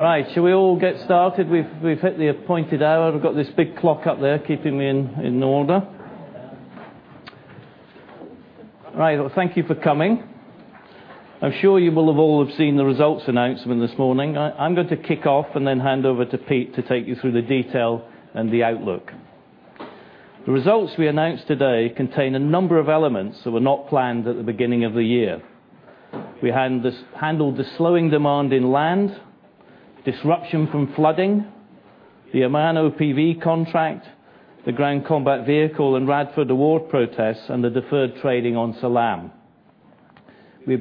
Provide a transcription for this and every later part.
Right. Shall we all get started? We've hit the appointed hour. We've got this big clock up there keeping me in order. All right. Well, thank you for coming. I'm sure you will have all have seen the results announcement this morning. I'm going to kick off and then hand over to Pete to take you through the detail and the outlook. The results we announce today contain a number of elements that were not planned at the beginning of the year. We handled the slowing demand in land, disruption from flooding, the Oman OPV contract, the Ground Combat Vehicle and Radford Award protests, and the deferred trading on Al Salam. What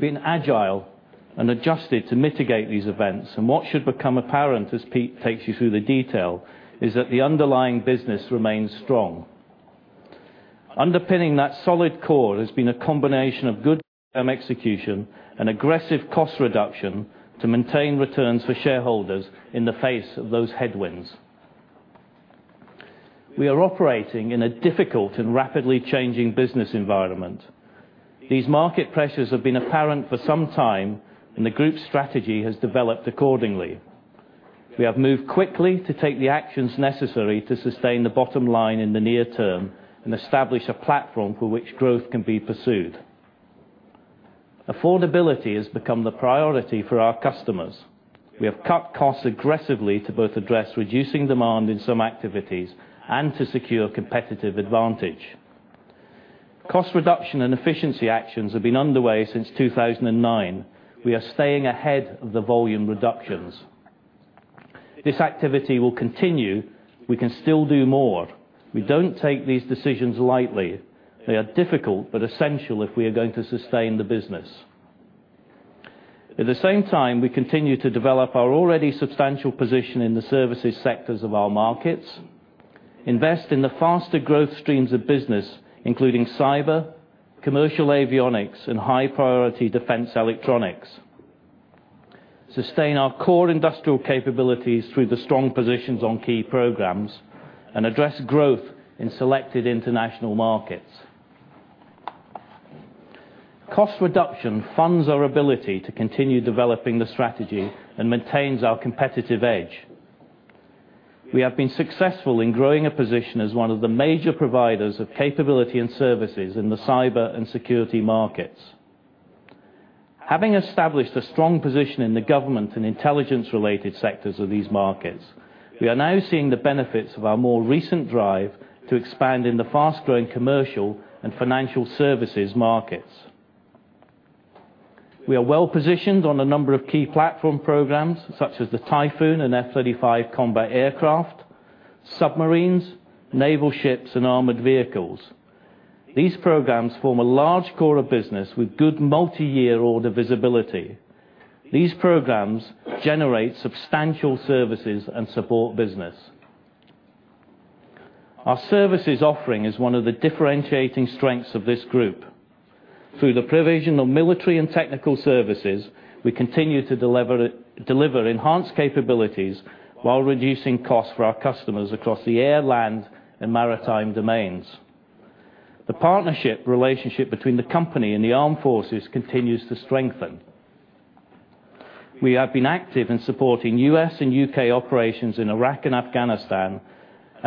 should become apparent, as Pete takes you through the detail, is that the underlying business remains strong. Underpinning that solid core has been a combination of good execution and aggressive cost reduction to maintain returns for shareholders in the face of those headwinds. We are operating in a difficult and rapidly changing business environment. These market pressures have been apparent for some time. The group strategy has developed accordingly. We have moved quickly to take the actions necessary to sustain the bottom line in the near term and establish a platform for which growth can be pursued. Affordability has become the priority for our customers. We have cut costs aggressively to both address reducing demand in some activities and to secure competitive advantage. Cost reduction and efficiency actions have been underway since 2009. We are staying ahead of the volume reductions. This activity will continue. We can still do more. We don't take these decisions lightly. They are difficult, but essential if we are going to sustain the business. At the same time, we continue to develop our already substantial position in the services sectors of our markets, invest in the faster growth streams of business, including cyber, commercial avionics, and high-priority defense electronics, sustain our core industrial capabilities through the strong positions on key programs, and address growth in selected international markets. Cost reduction funds our ability to continue developing the strategy and maintains our competitive edge. We have been successful in growing a position as one of the major providers of capability and services in the cyber and security markets. Having established a strong position in the government and intelligence-related sectors of these markets, we are now seeing the benefits of our more recent drive to expand in the fast-growing commercial and financial services markets. We are well-positioned on a number of key platform programs, such as the Typhoon and F-35 combat aircraft, submarines, naval ships, and armored vehicles. These programs form a large core of business with good multiyear order visibility. These programs generate substantial services and support business. Our services offering is one of the differentiating strengths of this group. Through the provision of military and technical services, we continue to deliver enhanced capabilities while reducing costs for our customers across the air, land, and maritime domains. The partnership relationship between the company and the armed forces continues to strengthen. We have been active in supporting U.S. and U.K. operations in Iraq and Afghanistan.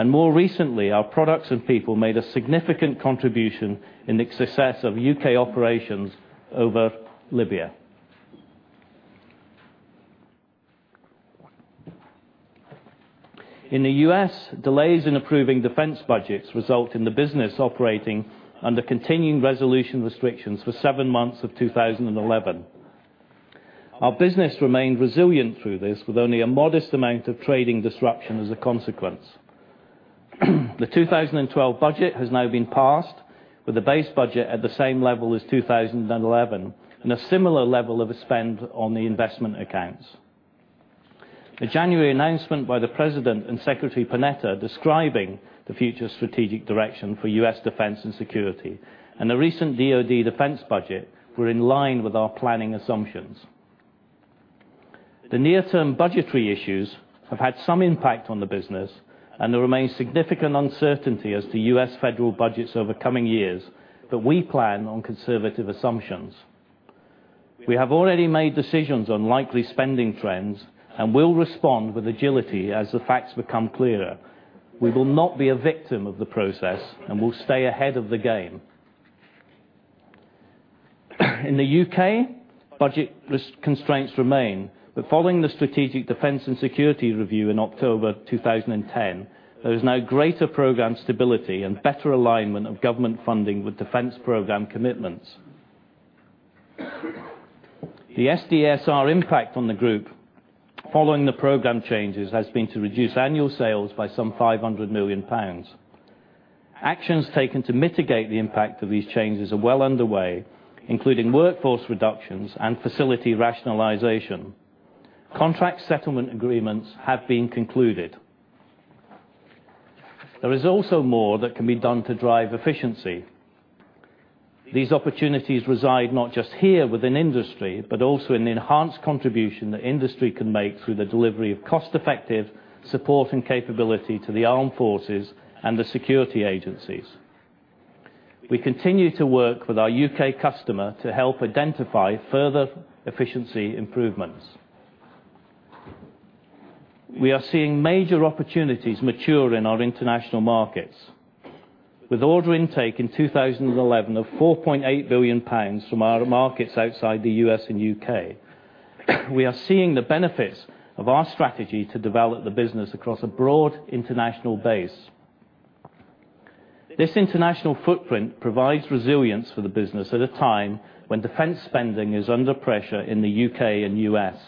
More recently, our products and people made a significant contribution in the success of U.K. operations over Libya. In the U.S., delays in approving defense budgets result in the business operating under continuing resolution restrictions for seven months of 2011. Our business remained resilient through this, with only a modest amount of trading disruption as a consequence. The 2012 budget has now been passed, with the base budget at the same level as 2011 and a similar level of spend on the investment accounts. The January announcement by the President and Secretary Panetta describing the future strategic direction for U.S. defense and security and the recent DOD defense budget were in line with our planning assumptions. The near-term budgetary issues have had some impact on the business, and there remains significant uncertainty as to U.S. federal budgets over coming years, but we plan on conservative assumptions. We have already made decisions on likely spending trends and will respond with agility as the facts become clearer. We will not be a victim of the process and will stay ahead of the game. In the U.K., budget constraints remain, but following the Strategic Defence and Security Review in October 2010, there is now greater program stability and better alignment of government funding with defense program commitments. The SDSR impact on the group following the program changes has been to reduce annual sales by some 500 million pounds. Actions taken to mitigate the impact of these changes are well underway, including workforce reductions and facility rationalization. Contract settlement agreements have been concluded. There is also more that can be done to drive efficiency. These opportunities reside not just here within industry, but also in the enhanced contribution that industry can make through the delivery of cost-effective support and capability to the armed forces and the security agencies. We continue to work with our U.K. customer to help identify further efficiency improvements. We are seeing major opportunities mature in our international markets. With order intake in 2011 of 4.8 billion pounds from our markets outside the U.S. and U.K., we are seeing the benefits of our strategy to develop the business across a broad international base. This international footprint provides resilience for the business at a time when defense spending is under pressure in the U.K. and U.S.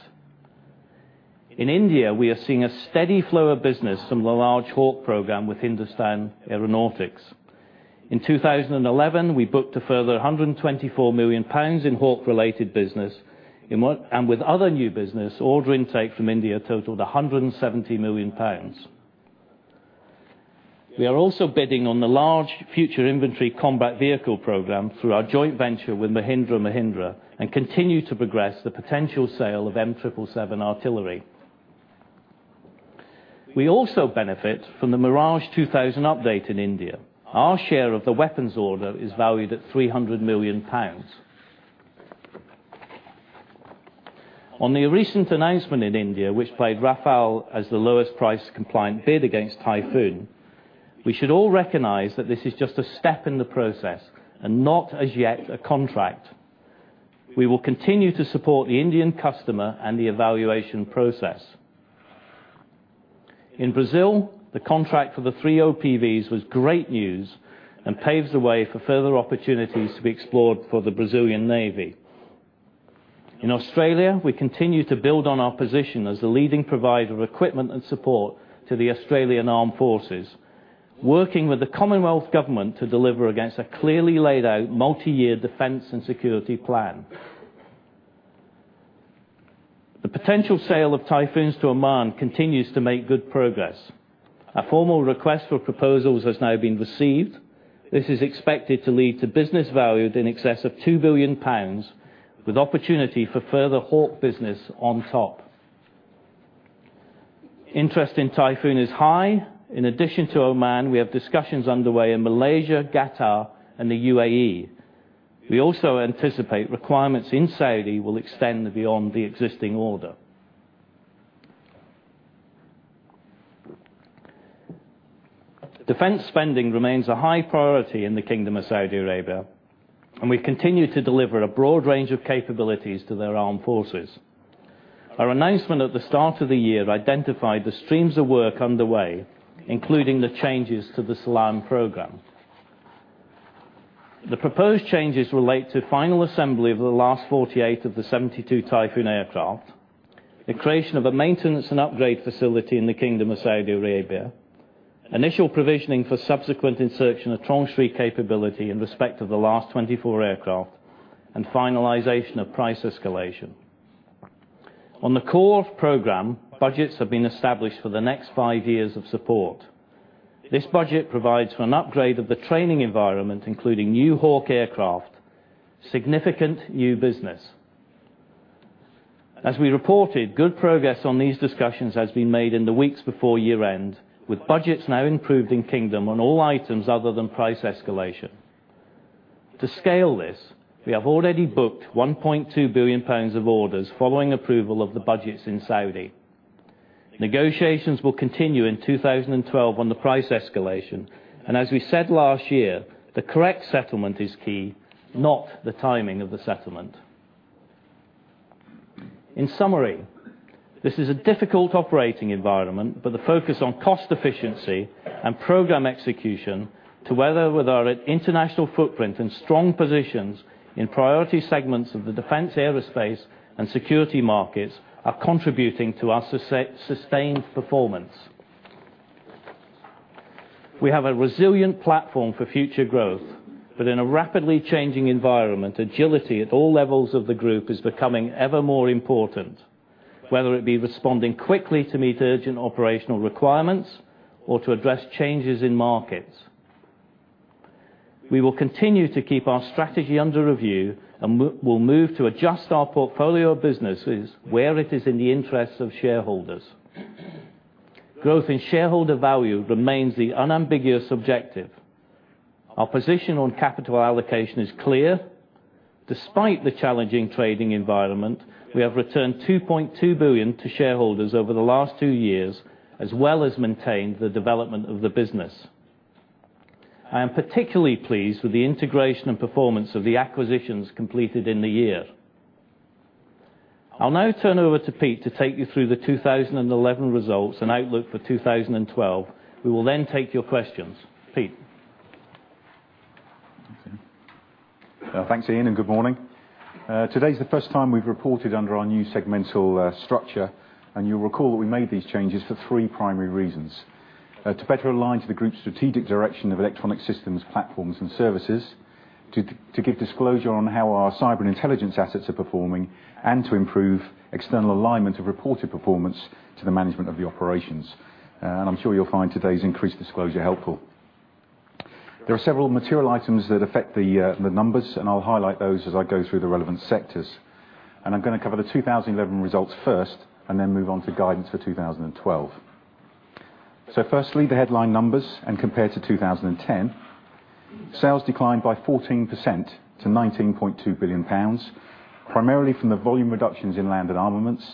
In India, we are seeing a steady flow of business from the large Hawk program with Hindustan Aeronautics. In 2011, we booked a further 124 million pounds in Hawk-related business. With other new business, order intake from India totaled 170 million pounds. We are also bidding on the large future inventory combat vehicle program through our joint venture with Mahindra & Mahindra, and continue to progress the potential sale of M777 artillery. We also benefit from the Mirage 2000 update in India. Our share of the weapons order is valued at 300 million pounds. On the recent announcement in India, which plagued Rafale as the lowest price compliant bid against Typhoon, we should all recognize that this is just a step in the process and not as yet a contract. We will continue to support the Indian customer and the evaluation process. In Brazil, the contract for the three OPVs was great news and paves the way for further opportunities to be explored for the Brazilian Navy. In Australia, we continue to build on our position as the leading provider of equipment and support to the Australian Armed Forces, working with the commonwealth government to deliver against a clearly laid out multiyear defense and security plan. The potential sale of Typhoons to Oman continues to make good progress. A formal request for proposals has now been received. This is expected to lead to business valued in excess of 2 billion pounds, with opportunity for further Hawk business on top. Interest in Typhoon is high. In addition to Oman, we have discussions underway in Malaysia, Qatar, and the UAE. We also anticipate requirements in Saudi will extend beyond the existing order. Defense spending remains a high priority in the Kingdom of Saudi Arabia, and we continue to deliver a broad range of capabilities to their armed forces. Our announcement at the start of the year identified the streams of work underway, including the changes to the Salam program. The proposed changes relate to final assembly of the last 48 of the 72 Typhoon aircraft, the creation of a maintenance and upgrade facility in the Kingdom of Saudi Arabia, initial provisioning for subsequent insertion of Tranche 3 capability in respect of the last 24 aircraft, and finalization of price escalation. On the core program, budgets have been established for the next five years of support. This budget provides for an upgrade of the training environment, including new Hawk aircraft, significant new business. As we reported, good progress on these discussions has been made in the weeks before year-end, with budgets now improved in Kingdom on all items other than price escalation. To scale this, we have already booked 1.2 billion pounds of orders following approval of the budgets in Saudi. As we said last year, the correct settlement is key, not the timing of the settlement. In summary, this is a difficult operating environment. The focus on cost efficiency and program execution together with our international footprint and strong positions in priority segments of the defense aerospace and security markets, are contributing to our sustained performance. We have a resilient platform for future growth. In a rapidly changing environment, agility at all levels of the group is becoming ever more important, whether it be responding quickly to meet urgent operational requirements or to address changes in markets. We will continue to keep our strategy under review and will move to adjust our portfolio of businesses where it is in the interest of shareholders. Growth in shareholder value remains the unambiguous objective. Our position on capital allocation is clear. Despite the challenging trading environment, we have returned 2.2 billion to shareholders over the last two years, as well as maintained the development of the business. I am particularly pleased with the integration and performance of the acquisitions completed in the year. I'll now turn over to Pete to take you through the 2011 results and outlook for 2012. We will take your questions. Pete. Thanks, Ian, and good morning. Today's the first time we've reported under our new segmental structure, you'll recall that we made these changes for three primary reasons: to better align to the group's strategic direction of electronic systems, platforms, and services, to give disclosure on how our cyber intelligence assets are performing, and to improve external alignment of reported performance to the management of the operations. I'm sure you'll find today's increased disclosure helpful. There are several material items that affect the numbers, and I'll highlight those as I go through the relevant sectors. I'm going to cover the 2011 results first, then move on to guidance for 2012. Firstly, the headline numbers compared to 2010, sales declined by 14% to 19.2 billion pounds, primarily from the volume reductions in Land & Armaments,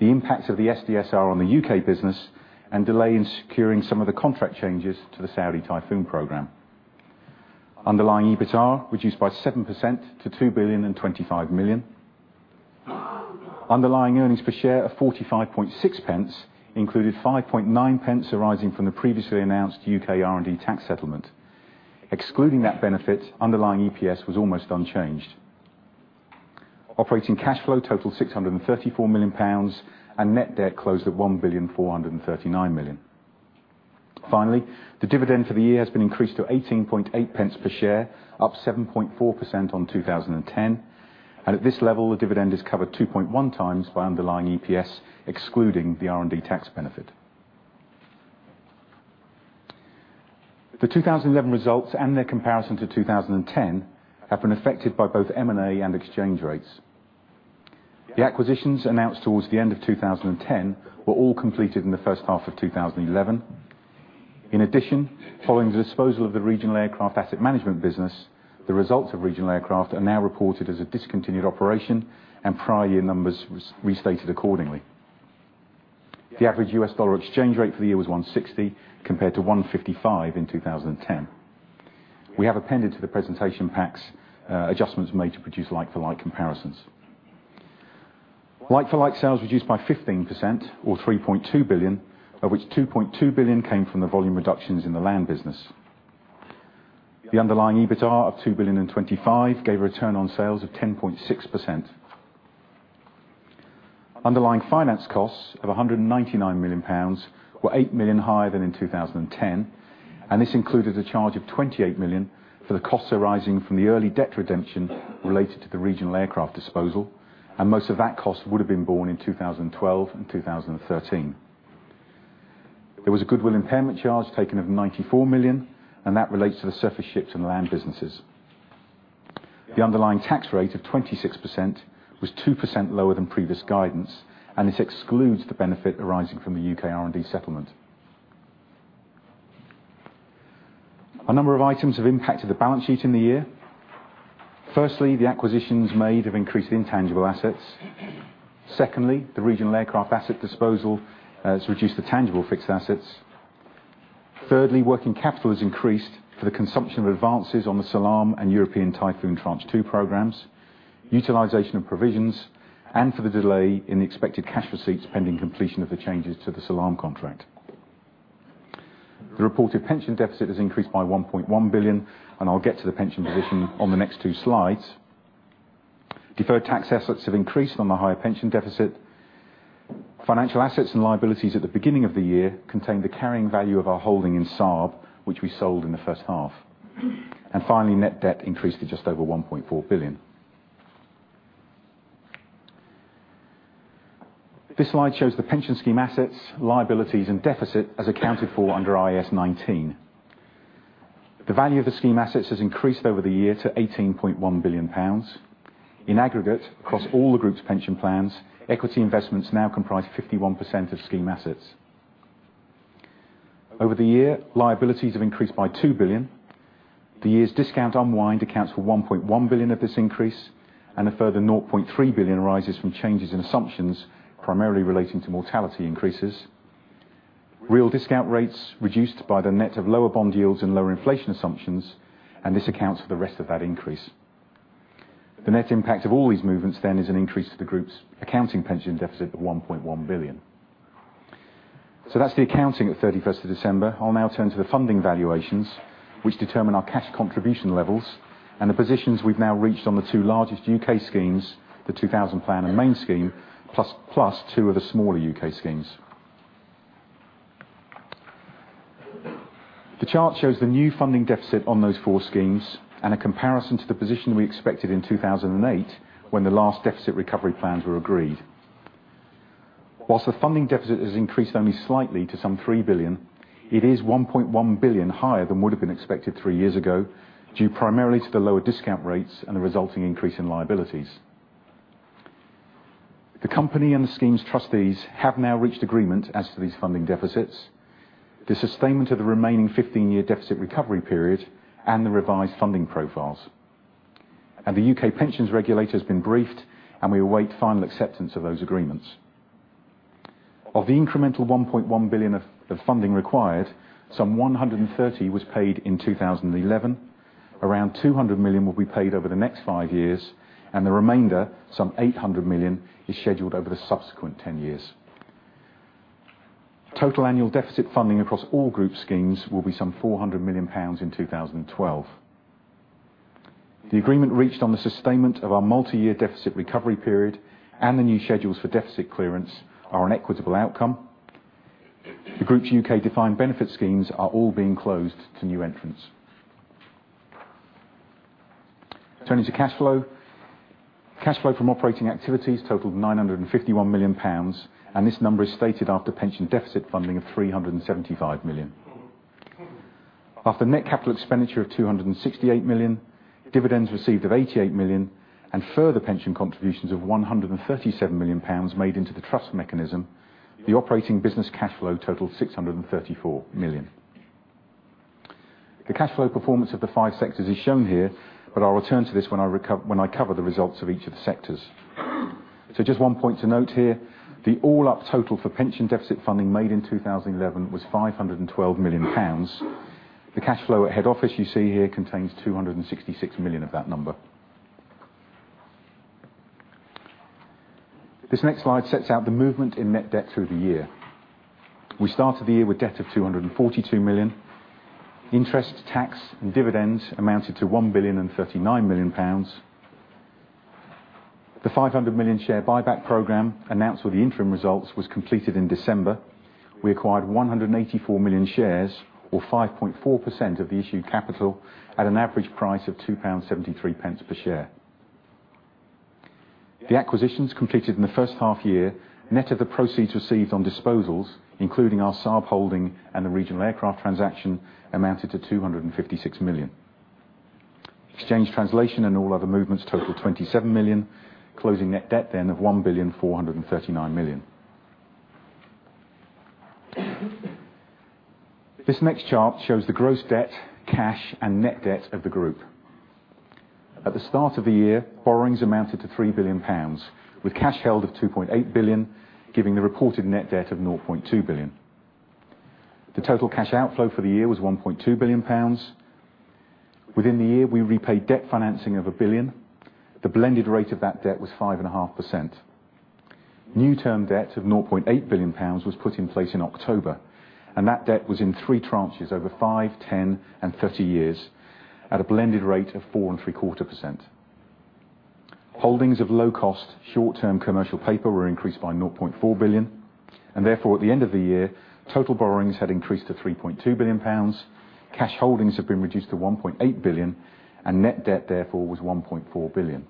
the impact of the SDSR on the U.K. business, and delay in securing some of the contract changes to the Saudi Typhoon program. Underlying EBITA reduced by 7% to 2,025 million. Underlying earnings per share of 0.456 included 0.059 arising from the previously announced U.K. R&D tax settlement. Excluding that benefit, underlying EPS was almost unchanged. Operating cash flow totaled 634 million pounds, and net debt closed at 1,439 million. Finally, the dividend for the year has been increased to 0.188 per share, up 7.4% on 2010, and at this level, the dividend is covered 2.1 times by underlying EPS, excluding the R&D tax benefit. The 2011 results and their comparison to 2010 have been affected by both M&A and exchange rates. The acquisitions announced towards the end of 2010 were all completed in the first half of 2011. In addition, following the disposal of the regional aircraft asset management business, the results of regional aircraft are now reported as a discontinued operation and prior year numbers restated accordingly. The average US dollar exchange rate for the year was 160, compared to 155 in 2010. We have appended to the presentation packs adjustments made to produce like-for-like comparisons. Like-for-like sales reduced by 15%, or 3.2 billion, of which 2.2 billion came from the volume reductions in the Land & Armaments business. The underlying EBITA of 2,025 million gave a return on sales of 10.6%. Underlying finance costs of 199 million pounds were 8 million higher than in 2010, this included a charge of 28 million for the costs arising from the early debt redemption related to the regional aircraft disposal, most of that cost would have been borne in 2012 and 2013. There was a goodwill impairment charge taken of 94 million, that relates to the surface ships and land businesses. The underlying tax rate of 26% was 2% lower than previous guidance, this excludes the benefit arising from the U.K. R&D settlement. A number of items have impacted the balance sheet in the year. Firstly, the acquisitions made have increased intangible assets. Secondly, the regional aircraft asset disposal has reduced the tangible fixed assets. Thirdly, working capital has increased for the consumption of advances on the Salam and European Typhoon Tranche 2 programs, utilization of provisions, and for the delay in the expected cash receipts pending completion of the changes to the Salam contract. The reported pension deficit has increased by 1.1 billion, I'll get to the pension position on the next two slides. Deferred tax assets have increased on the higher pension deficit. Financial assets and liabilities at the beginning of the year contained the carrying value of our holding in Saab, which we sold in the first half. Finally, net debt increased to just over 1.4 billion. This slide shows the pension scheme assets, liabilities, and deficit as accounted for under IAS 19. The value of the scheme assets has increased over the year to 18.1 billion pounds. In aggregate, across all the group's pension plans, equity investments now comprise 51% of scheme assets. Over the year, liabilities have increased by 2 billion. The year's discount unwind accounts for 1.1 billion of this increase, and a further 0.3 billion arises from changes in assumptions, primarily relating to mortality increases. Real discount rates reduced by the net of lower bond yields and lower inflation assumptions, this accounts for the rest of that increase. The net impact of all these movements is an increase to the group's accounting pension deficit of 1.1 billion. That's the accounting at 31st of December. I'll now turn to the funding valuations, which determine our cash contribution levels and the positions we've now reached on the two largest U.K. schemes, the 2000 Plan and main scheme, plus two of the smaller U.K. schemes. The chart shows the new funding deficit on those four schemes and a comparison to the position we expected in 2008 when the last deficit recovery plans were agreed. Whilst the funding deficit has increased only slightly to some 3 billion, it is 1.1 billion higher than would have been expected three years ago, due primarily to the lower discount rates and the resulting increase in liabilities. The company and the scheme's trustees have now reached agreement as to these funding deficits, the sustainment of the remaining 15-year deficit recovery period, and the revised funding profiles. The U.K. pensions regulator has been briefed, and we await final acceptance of those agreements. Of the incremental 1.1 billion of funding required, some 130 was paid in 2011, around 200 million will be paid over the next five years, and the remainder, some 800 million, is scheduled over the subsequent 10 years. Total annual deficit funding across all group schemes will be some 400 million pounds in 2012. The agreement reached on the sustainment of our multi-year deficit recovery period and the new schedules for deficit clearance are an equitable outcome. The group's U.K. defined benefit schemes are all being closed to new entrants. Turning to cash flow. Cash flow from operating activities totaled 951 million pounds, this number is stated after pension deficit funding of 375 million. After net capital expenditure of 268 million, dividends received of 88 million, and further pension contributions of 137 million pounds made into the trust mechanism, the operating business cash flow totaled 634 million. The cash flow performance of the five sectors is shown here, I'll return to this when I cover the results of each of the sectors. Just one point to note here, the all-up total for pension deficit funding made in 2011 was 512 million pounds. The cash flow at head office you see here contains 266 million of that number. This next slide sets out the movement in net debt through the year. We started the year with debt of 242 million. Interest, tax, and dividends amounted to 1.039 billion. The 500 million share buyback program announced with the interim results was completed in December. We acquired 184 million shares or 5.4% of the issued capital at an average price of 2.73 pounds per share. The acquisitions completed in the first half-year, net of the proceeds received on disposals, including our Saab holding and the Regional Aircraft transaction, amounted to 256 million. Exchange translation and all other movements totaled 27 million, closing net debt then of 1.439 billion. This next chart shows the gross debt, cash, and net debt of the group. At the start of the year, borrowings amounted to 3 billion pounds, with cash held of 2.8 billion, giving the reported net debt of 0.2 billion. The total cash outflow for the year was 1.2 billion pounds. Within the year, we repaid debt financing of 1 billion. The blended rate of that debt was 5.5%. New term debt of 0.8 billion pounds was put in place in October. That debt was in 3 tranches over five, 10, and 30 years at a blended rate of 4.75%. Holdings of low-cost short-term commercial paper were increased by 0.4 billion. Therefore, at the end of the year, total borrowings had increased to 3.2 billion pounds. Cash holdings had been reduced to 1.8 billion and net debt, therefore, was 1.4 billion.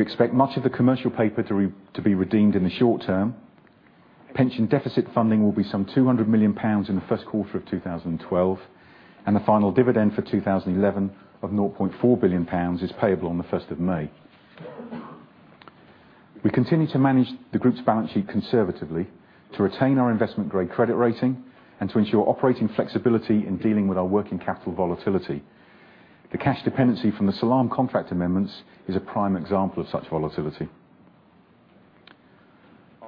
We expect much of the commercial paper to be redeemed in the short term. Pension deficit funding will be some 200 million pounds in the first quarter of 2012. The final dividend for 2011 of 0.4 billion pounds is payable on the 1st of May. We continue to manage the group's balance sheet conservatively to retain our investment-grade credit rating and to ensure operating flexibility in dealing with our working capital volatility. The cash dependency from the Al Salam contract amendments is a prime example of such volatility.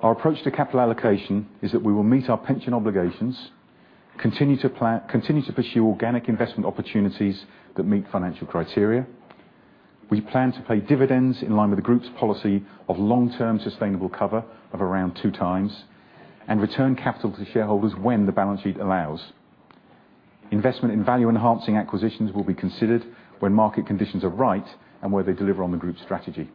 Our approach to capital allocation is that we will meet our pension obligations, continue to pursue organic investment opportunities that meet financial criteria. We plan to pay dividends in line with the group's policy of long-term sustainable cover of around two times. Return capital to shareholders when the balance sheet allows. Investment in value-enhancing acquisitions will be considered when market conditions are right, where they deliver on the group's strategy.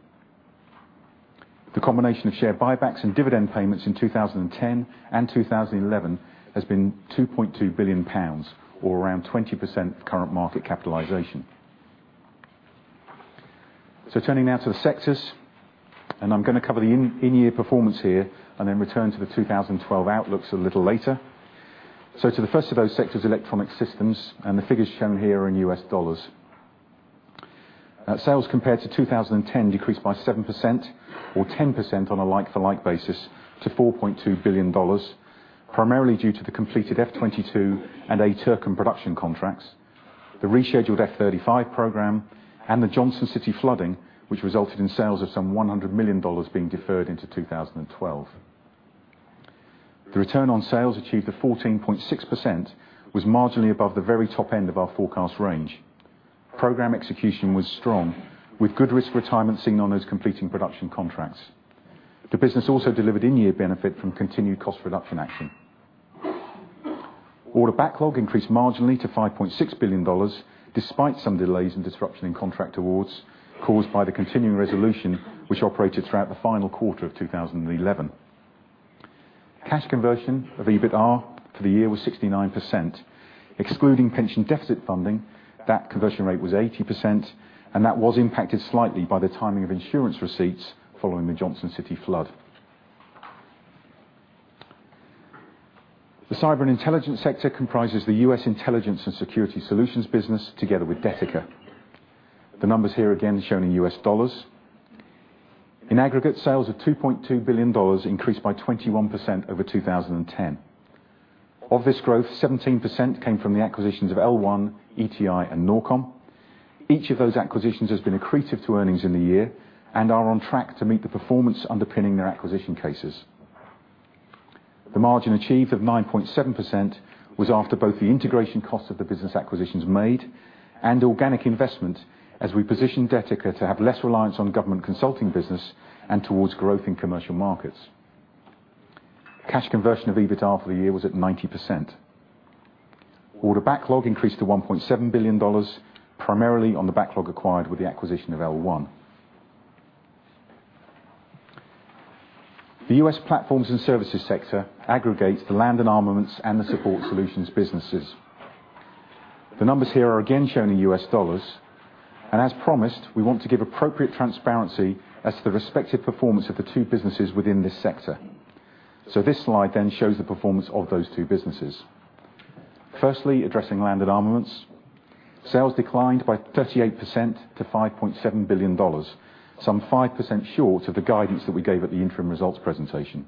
The combination of share buybacks and dividend payments in 2010 and 2011 has been 2.2 billion pounds or around 20% current market capitalization. Turning now to the sectors, I'm going to cover the in-year performance here and then return to the 2012 outlooks a little later. To the first of those sectors, Electronic Systems, the figures shown here are in U.S. dollars. Sales compared to 2010 decreased by 7% or 10% on a like-for-like basis to $4.2 billion, primarily due to the completed F-22 and A-Turkam production contracts, the rescheduled F-35 program, and the Johnson City flooding, which resulted in sales of some $100 million being deferred into 2012. The return on sales achieved of 14.6% was marginally above the very top end of our forecast range. Program execution was strong, with good risk retirement seen on those completing production contracts. The business also delivered in-year benefit from continued cost reduction action. Order backlog increased marginally to $5.6 billion, despite some delays and disruption in contract awards caused by the continuing resolution which operated throughout the final quarter of 2011. Cash conversion of EBITAR for the year was 69%, excluding pension deficit funding, that conversion rate was 80%, and that was impacted slightly by the timing of insurance receipts following the Johnson City flood. The Cyber and Intelligence sector comprises the U.S. intelligence and security solutions business together with Detica. The numbers here again shown in U.S. dollars. In aggregate, sales of $2.2 billion increased by 21% over 2010. Of this growth, 17% came from the acquisitions of L1, ETI and Norkom. Each of those acquisitions has been accretive to earnings in the year and are on track to meet the performance underpinning their acquisition cases. The margin achieved of 9.7% was after both the integration cost of the business acquisitions made and organic investment as we positioned Detica to have less reliance on government consulting business and towards growth in commercial markets. Cash conversion of EBITAR for the year was at 90%. Order backlog increased to $1.7 billion, primarily on the backlog acquired with the acquisition of L1. The U.S. Platforms and Services sector aggregates the Land and Armaments and the Support Solutions businesses. The numbers here are again shown in U.S. dollars. As promised, we want to give appropriate transparency as to the respective performance of the two businesses within this sector. This slide shows the performance of those two businesses. Firstly, addressing Land and Armaments, sales declined by 38% to $5.7 billion, some 5% short of the guidance that we gave at the interim results presentation.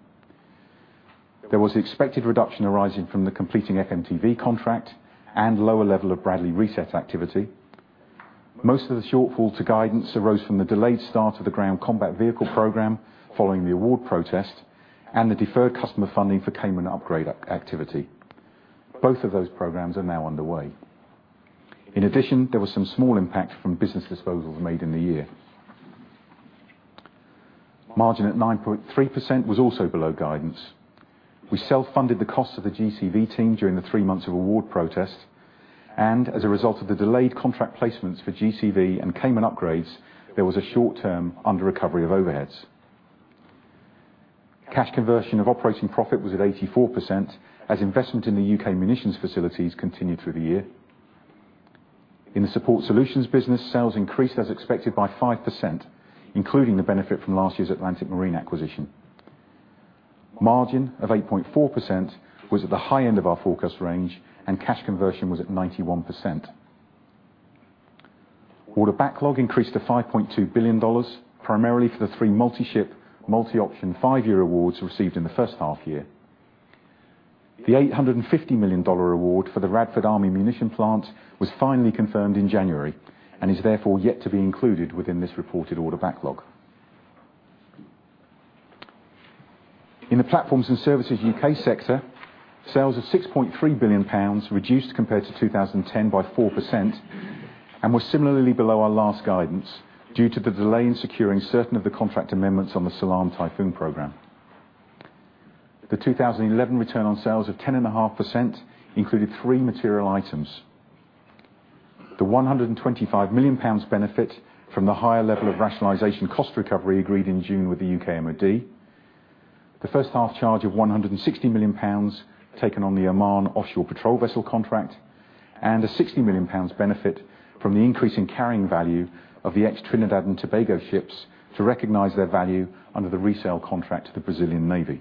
There was the expected reduction arising from the completing FMTV contract and lower level of Bradley reset activity. Most of the shortfall to guidance arose from the delayed start of the Ground Combat Vehicle program following the award protest and the deferred customer funding for Caiman upgrade activity. Both of those programs are now underway. In addition, there was some small impact from business disposals made in the year. Margin at 9.3% was also below guidance. We self-funded the cost of the GCV team during the 3 months of award protest, and as a result of the delayed contract placements for GCV and Caiman upgrades, there was a short-term under recovery of overheads. Cash conversion of operating profit was at 84% as investment in the U.K. munitions facilities continued through the year. In the Support Solutions business, sales increased as expected by 5%, including the benefit from last year's Atlantic Marine acquisition. Margin of 8.4% was at the high end of our forecast range, and cash conversion was at 91%. Order backlog increased to $5.2 billion, primarily for the 3 Multi-Ship, Multi-Option, five-year awards received in the first half-year. The $850 million award for the Radford Army Ammunition Plant was finally confirmed in January and is therefore yet to be included within this reported order backlog. In the Platforms and Services U.K. sector, sales of £6.3 billion reduced compared to 2010 by 4% and were similarly below our last guidance due to the delay in securing certain of the contract amendments on the Salam Typhoon program. The 2011 return on sales of 10.5% included three material items. The 125 million pounds benefit from the higher level of rationalization cost recovery agreed in June with the U.K. Ministry of Defence, the first half charge of 160 million pounds taken on the Oman Offshore Patrol Vessel contract, and a 60 million pounds benefit from the increase in carrying value of the ex-Trinidad and Tobago ships to recognize their value under the resale contract to the Brazilian Navy.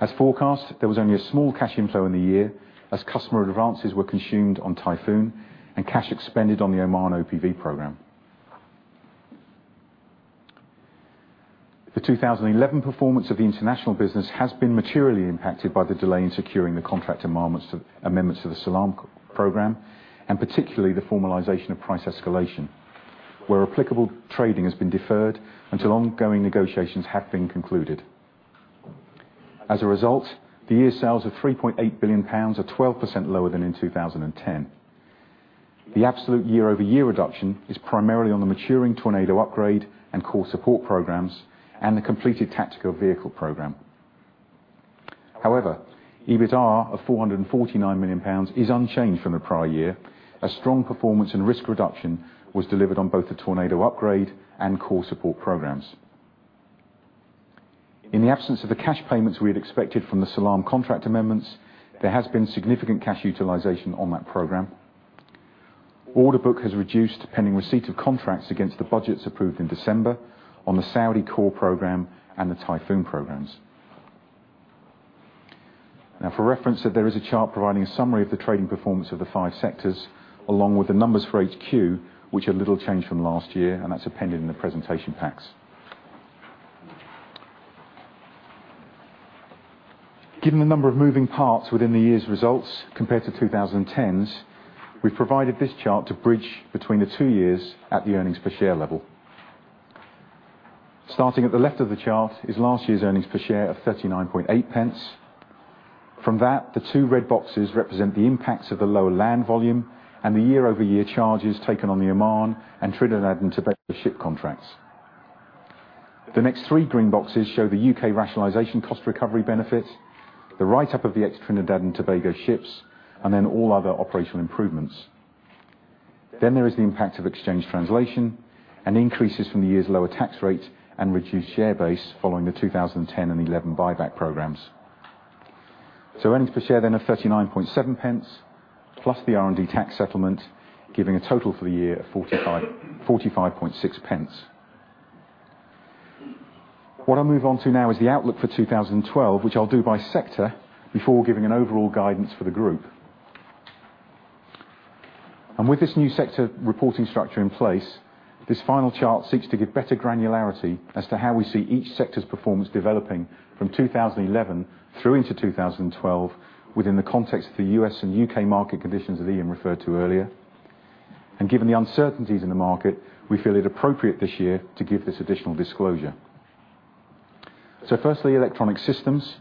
As forecast, there was only a small cash inflow in the year as customer advances were consumed on Typhoon and cash expended on the Oman OPV program. The 2011 performance of the International business has been materially impacted by the delay in securing the contract amendments to the Al Salam program, particularly the formalization of price escalation, where applicable trading has been deferred until ongoing negotiations have been concluded. A result, the year's sales of 3.8 billion pounds are 12% lower than in 2010. The absolute year-over-year reduction is primarily on the maturing Tornado upgrade and core support programs and the completed tactical vehicle program. However, EBITA of 449 million pounds is unchanged from the prior year. A strong performance and risk reduction was delivered on both the Tornado upgrade and core support programs. In the absence of the cash payments we had expected from the Al Salam contract amendments, there has been significant cash utilization on that program. Order book has reduced pending receipt of contracts against the budgets approved in December on the Saudi core program and the Typhoon programs. For reference, there is a chart providing a summary of the trading performance of the five sectors, along with the numbers for HQ, which are little changed from last year, and that's appended in the presentation packs. Given the number of moving parts within the year's results compared to 2010's, we've provided this chart to bridge between the two years at the earnings per share level. Starting at the left of the chart is last year's earnings per share of 0.398. From that, the two red boxes represent the impacts of the lower land volume and the year-over-year charges taken on the Oman and Trinidad and Tobago ship contracts. The next three green boxes show the U.K. rationalization cost recovery benefit, the write-up of the ex-Trinidad and Tobago ships, all other operational improvements. There is the impact of exchange translation and increases from the year's lower tax rate and reduced share base following the 2010 and 2011 buyback programs. Earnings per share then of 0.397, plus the R&D tax settlement, giving a total for the year of 0.456. What I'll move on to now is the outlook for 2012, which I'll do by sector before giving an overall guidance for the group. With this new sector reporting structure in place, this final chart seeks to give better granularity as to how we see each sector's performance developing from 2011 through into 2012 within the context of the U.S. and U.K. market conditions that Ian referred to earlier. Given the uncertainties in the market, we feel it appropriate this year to give this additional disclosure. Firstly, Electronic Systems.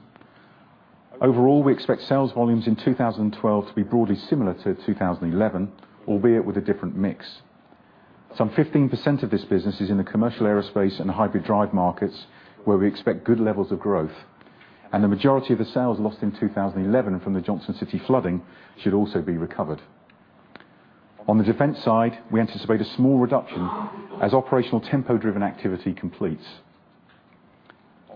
Overall, we expect sales volumes in 2012 to be broadly similar to 2011, albeit with a different mix. Some 15% of this business is in the commercial aerospace and hybrid drive markets, where we expect good levels of growth. The majority of the sales lost in 2011 from the Johnson City flooding should also be recovered. On the defense side, we anticipate a small reduction as operational tempo-driven activity completes.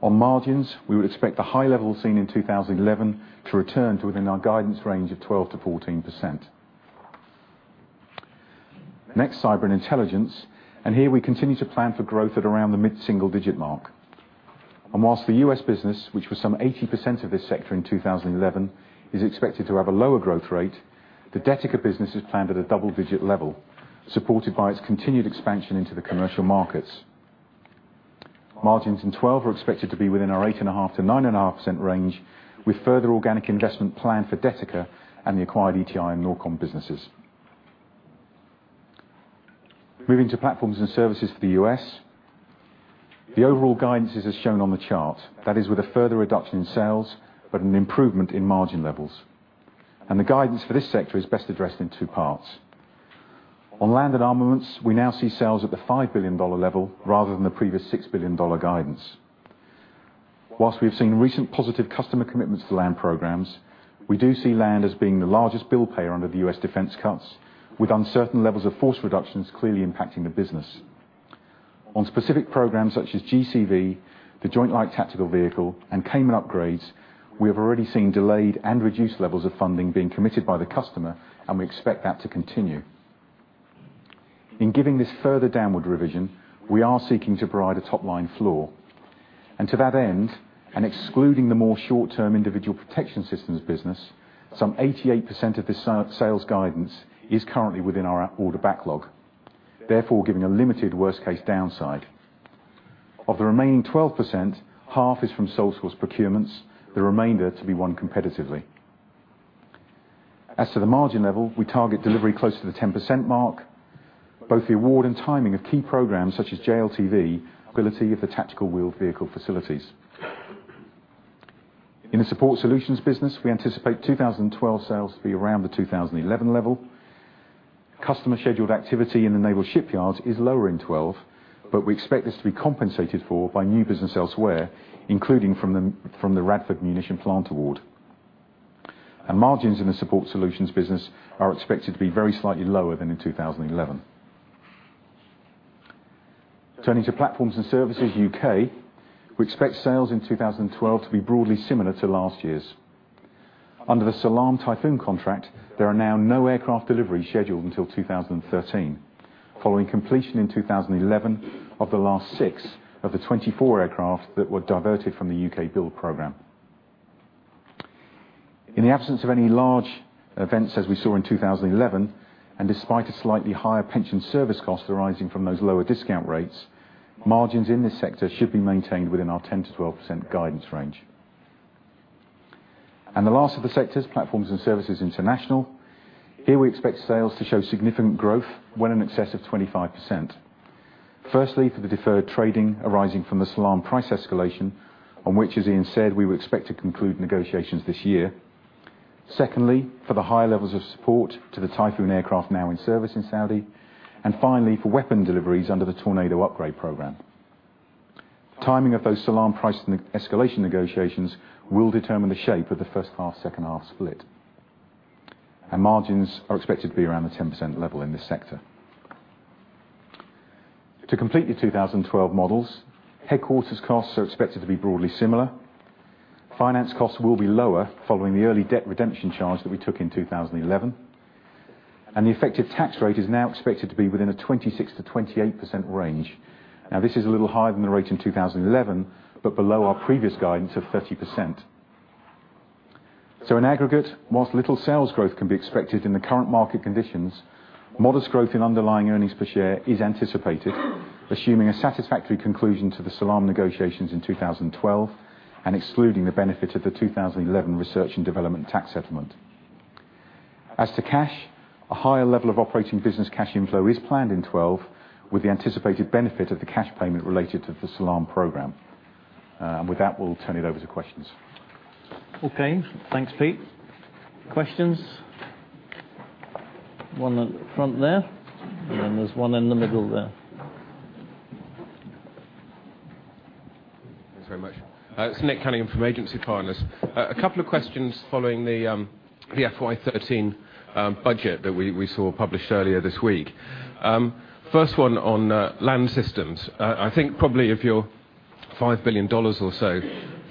On margins, we would expect the high level seen in 2011 to return to within our guidance range of 12%-14%. Next, cyber and intelligence. Here, we continue to plan for growth at around the mid-single-digit mark. Whilst the U.S. business, which was some 80% of this sector in 2011, is expected to have a lower growth rate, the Detica business is planned at a double-digit level, supported by its continued expansion into the commercial markets. Margins in 2012 are expected to be within our 8.5%-9.5% range, with further organic investment planned for Detica and the acquired ETI and Norkom businesses. Moving to platforms and services for the U.S., the overall guidance is as shown on the chart. That is with a further reduction in sales, but an improvement in margin levels. The guidance for this sector is best addressed in two parts. On land and armaments, we now see sales at the GBP 5 billion level rather than the previous GBP 6 billion guidance. Whilst we have seen recent positive customer commitments to land programs, we do see land as being the largest bill payer under the U.S. defense cuts, with uncertain levels of force reductions clearly impacting the business. On specific programs such as GCV, the Joint Light Tactical Vehicle, and Caiman upgrades, we have already seen delayed and reduced levels of funding being committed by the customer, and we expect that to continue. In giving this further downward revision, we are seeking to provide a top-line floor. To that end, excluding the more short-term individual protection systems business, some 88% of the sales guidance is currently within our order backlog, therefore giving a limited worst-case downside. Of the remaining 12%, half is from sole source procurements, the remainder to be won competitively. As to the margin level, we target delivery close to the 10% mark. Both the award and timing of key programs such as JLTV, ability of the tactical wheeled vehicle facilities. In the support solutions business, we anticipate 2012 sales to be around the 2011 level. Customer scheduled activity in the naval shipyards is lower in 2012, but we expect this to be compensated for by new business elsewhere, including from the Radford Army Ammunition Plant award. Margins in the support solutions business are expected to be very slightly lower than in 2011. Turning to platforms and services U.K., we expect sales in 2012 to be broadly similar to last year's. Under the Al Salam Typhoon contract, there are now no aircraft deliveries scheduled until 2013, following completion in 2011 of the last six of the 24 aircraft that were diverted from the U.K. build program. In the absence of any large events as we saw in 2011, and despite a slightly higher pension service cost arising from those lower discount rates, margins in this sector should be maintained within our 10%-12% guidance range. The last of the sectors, platforms and services international. Here we expect sales to show significant growth when in excess of 25%. Firstly, for the deferred trading arising from the Al Salam price escalation, on which, as Ian said, we would expect to conclude negotiations this year. For the higher levels of support to the Typhoon aircraft now in service in Saudi. Finally, for weapon deliveries under the Tornado upgrade program. Timing of those SALAM price escalation negotiations will determine the shape of the first half, second half split. Margins are expected to be around the 10% level in this sector. To complete the 2012 models, headquarters costs are expected to be broadly similar. Finance costs will be lower following the early debt redemption charge that we took in 2011. The effective tax rate is now expected to be within a 26%-28% range. This is a little higher than the rate in 2011, but below our previous guidance of 30%. In aggregate, whilst little sales growth can be expected in the current market conditions, modest growth in underlying earnings per share is anticipated, assuming a satisfactory conclusion to the SALAM negotiations in 2012, and excluding the benefit of the 2011 R&D tax settlement. As to cash, a higher level of operating business cash inflow is planned in 2012, with the anticipated benefit of the cash payment related to the SALAM program. With that, we'll turn it over to questions. Thanks, Pete. Questions? One at the front there, and then there's one in the middle there. Thanks very much. It's Nick Cunningham from Agency Partners. A couple of questions following the FY 2013 budget that we saw published earlier this week. First one on land systems. I think probably of your $5 billion or so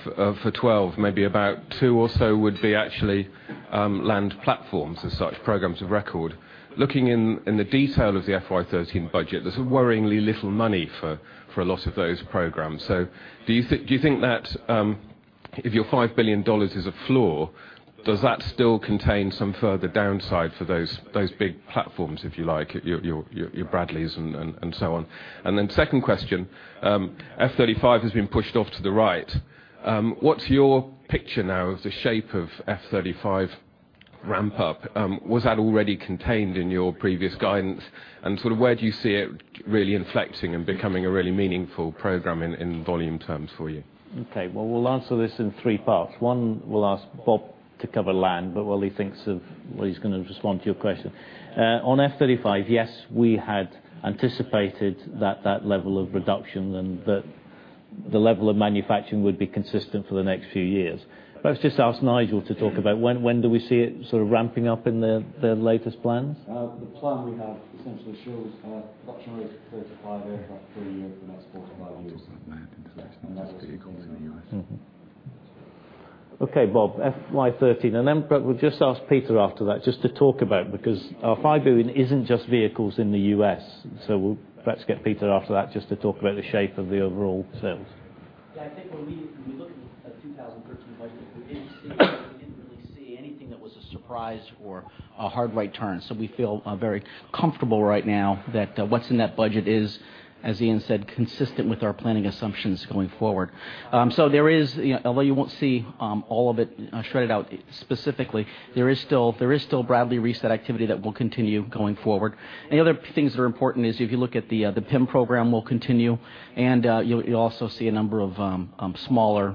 for 2012, maybe about two or so would be actually land platforms as such, programs of record. Looking in the detail of the FY 2013 budget, there's worryingly little money for a lot of those programs. Do you think that if your $5 billion is a floor, does that still contain some further downside for those big platforms, if you like, your Bradleys and so on? Then second question, F-35 has been pushed off to the right. What's your picture now of the shape of F-35 ramp-up? Was that already contained in your previous guidance? Where do you see it really inflexing and becoming a really meaningful program in volume terms for you? Okay. Well, we'll answer this in three parts. One, we'll ask Bob to cover land, while he thinks of what he's going to respond to your question. On F-35, yes, we had anticipated that that level of reduction and that the level of manufacturing would be consistent for the next few years. Let's just ask Nigel to talk about when do we see it ramping up in the latest plans? The plan we have essentially shows production rates of 35 aircraft per year for the next 45 years. We're talking about land tactical vehicles in the U.S. Bob, FY 2013, we'll just ask Peter after that just to talk about it, because our 5 billion isn't just vehicles in the U.S. let's get Peter after that just to talk about the shape of the overall sales. I think when we look at the 2013 budget, we didn't really see anything that was a surprise or a hard right turn. we feel very comfortable right now that what's in that budget is, as Ian said, consistent with our planning assumptions going forward. although you won't see all of it shredded out specifically, there is still Bradley reset activity that will continue going forward. the other things that are important is if you look at the PIM program will continue, you'll also see a number of smaller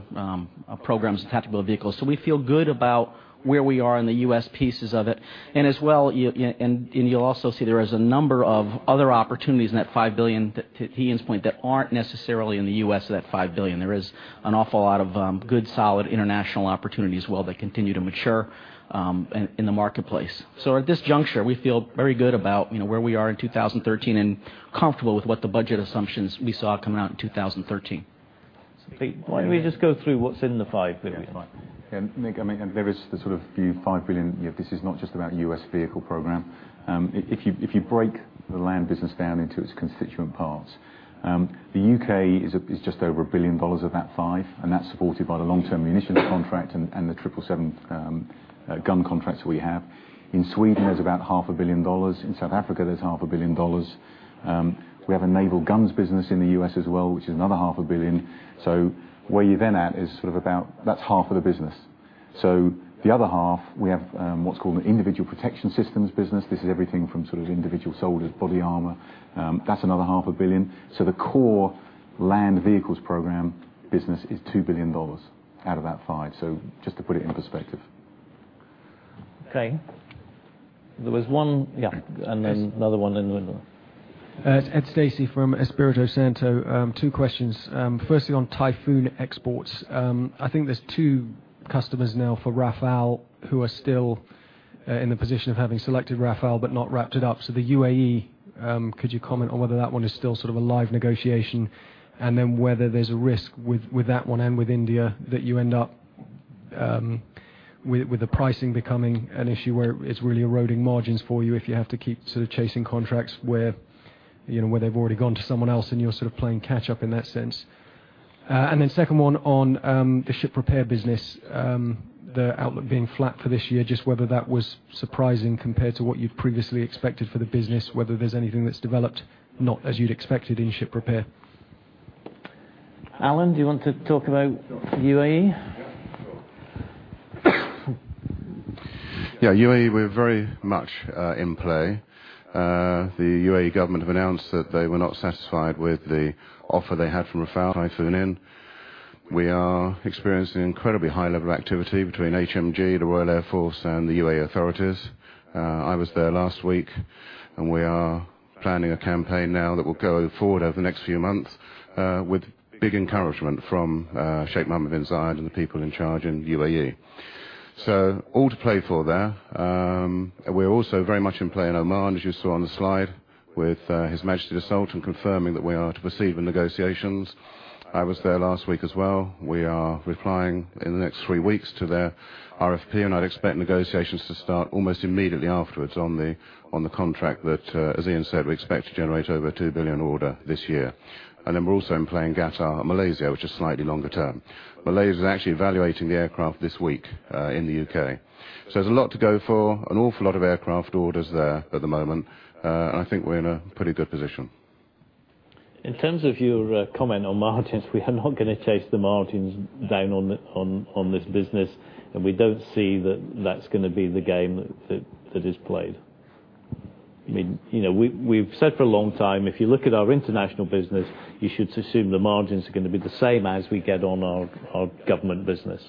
programs attachable to vehicles. we feel good about where we are in the U.S. pieces of it. as well, you'll also see there is a number of other opportunities in that 5 billion, to Ian's point, that aren't necessarily in the U.S. of that 5 billion. There is an awful lot of good, solid international opportunities as well that continue to mature in the marketplace. at this juncture, we feel very good about where we are in 2013 and comfortable with what the budget assumptions we saw coming out in 2013. Pete, why don't we just go through what's in the 5 billion? Yeah, that's fine. There is the sort of view, 5 billion, this is not just about U.S. vehicle program. If you break the land business down into its constituent parts, the U.K. is just over GBP 1 billion of that 5 billion, and that's supported by the long-term munition contract and the M777 gun contracts we have. In Sweden, there's about half a billion GBP. In South Africa, there's half a billion GBP. We have a naval guns business in the U.S. as well, which is another half a billion GBP. Where you're then at is sort of about, that's half of the business. The other half, we have what's called an individual protection systems business. This is everything from individual soldiers' body armor. That's another half a billion GBP. The core land vehicles program business is GBP 2 billion out of that 5 billion. Just to put it in perspective. Okay. There was one, yeah, another one in the window. Ed Stacey from Espirito Santo, two questions. Firstly, on Typhoon exports. I think there's two customers now for Rafael who are still in the position of having selected Rafael but not wrapped it up. The UAE, could you comment on whether that one is still sort of a live negotiation, whether there's a risk with that one and with India that you end up with the pricing becoming an issue where it's really eroding margins for you if you have to keep sort of chasing contracts where they've already gone to someone else and you're sort of playing catch up in that sense? Second one on the ship repair business, the outlook being flat for this year, just whether that was surprising compared to what you'd previously expected for the business, whether there's anything that's developed not as you'd expected in ship repair. Alan, do you want to talk about UAE? Yeah, sure. Yeah, UAE, we're very much in play. The UAE government have announced that they were not satisfied with the offer they had from Rafael Typhoon. We are experiencing incredibly high level of activity between HMG, the Royal Air Force, and the UAE authorities. I was there last week, and we are planning a campaign now that will go forward over the next few months with big encouragement from Sheikh Mohammed bin Zayed and the people in charge in UAE. All to play for there. We're also very much in play in Oman, as you saw on the slide, with His Majesty the Sultan confirming that we are to proceed with negotiations. I was there last week as well. We are replying in the next three weeks to their RFP. I'd expect negotiations to start almost immediately afterwards on the contract that, as Ian said, we expect to generate over a 2 billion order this year. We're also in play in Qatar and Malaysia, which is slightly longer term. Malaysia is actually evaluating the aircraft this week in the U.K. There's a lot to go for, an awful lot of aircraft orders there at the moment. I think we're in a pretty good position. In terms of your comment on margins, we are not going to chase the margins down on this business. We don't see that that's going to be the game that is played. We've said for a long time, if you look at our international business, you should assume the margins are going to be the same as we get on our government business.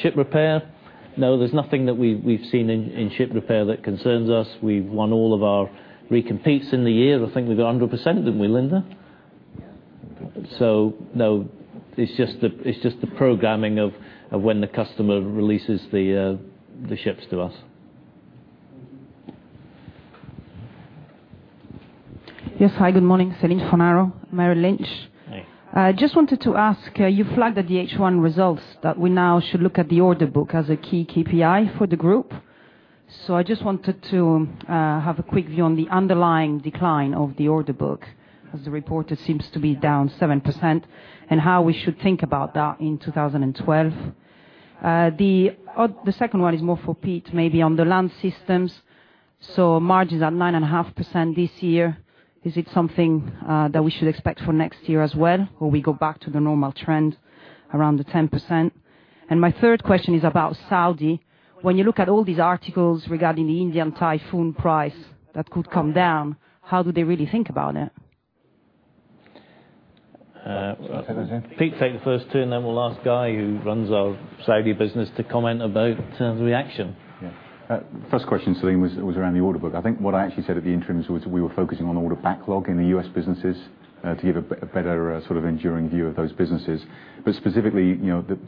Ship repair. No, there's nothing that we've seen in ship repair that concerns us. We've won all of our recompetes in the year. I think we've got 100%, didn't we, Linda? Yes. No, it's just the programming of when the customer releases the ships to us. Yes. Hi, good morning. Celine Fanaro, Merrill Lynch. Hey. I just wanted to ask, you flagged at the H1 results that we now should look at the order book as a key KPI for the group. I just wanted to have a quick view on the underlying decline of the order book, as the report seems to be down 7%, and how we should think about that in 2012. The second one is more for Pete, maybe on the land systems. Margins are 9.5% this year. Is it something that we should expect for next year as well, or we go back to the normal trend around the 10%? My third question is about Saudi. When you look at all these articles regarding the Indian Typhoon price that could come down, how do they really think about it? Want me to take those, Ian? Pete, take the first two, then we'll ask Guy, who runs our Saudi business, to comment about reaction. Yeah. First question, Celine, was around the order book. I think what I actually said at the interims was we were focusing on order backlog in the U.S. businesses to give a better enduring view of those businesses. Specifically,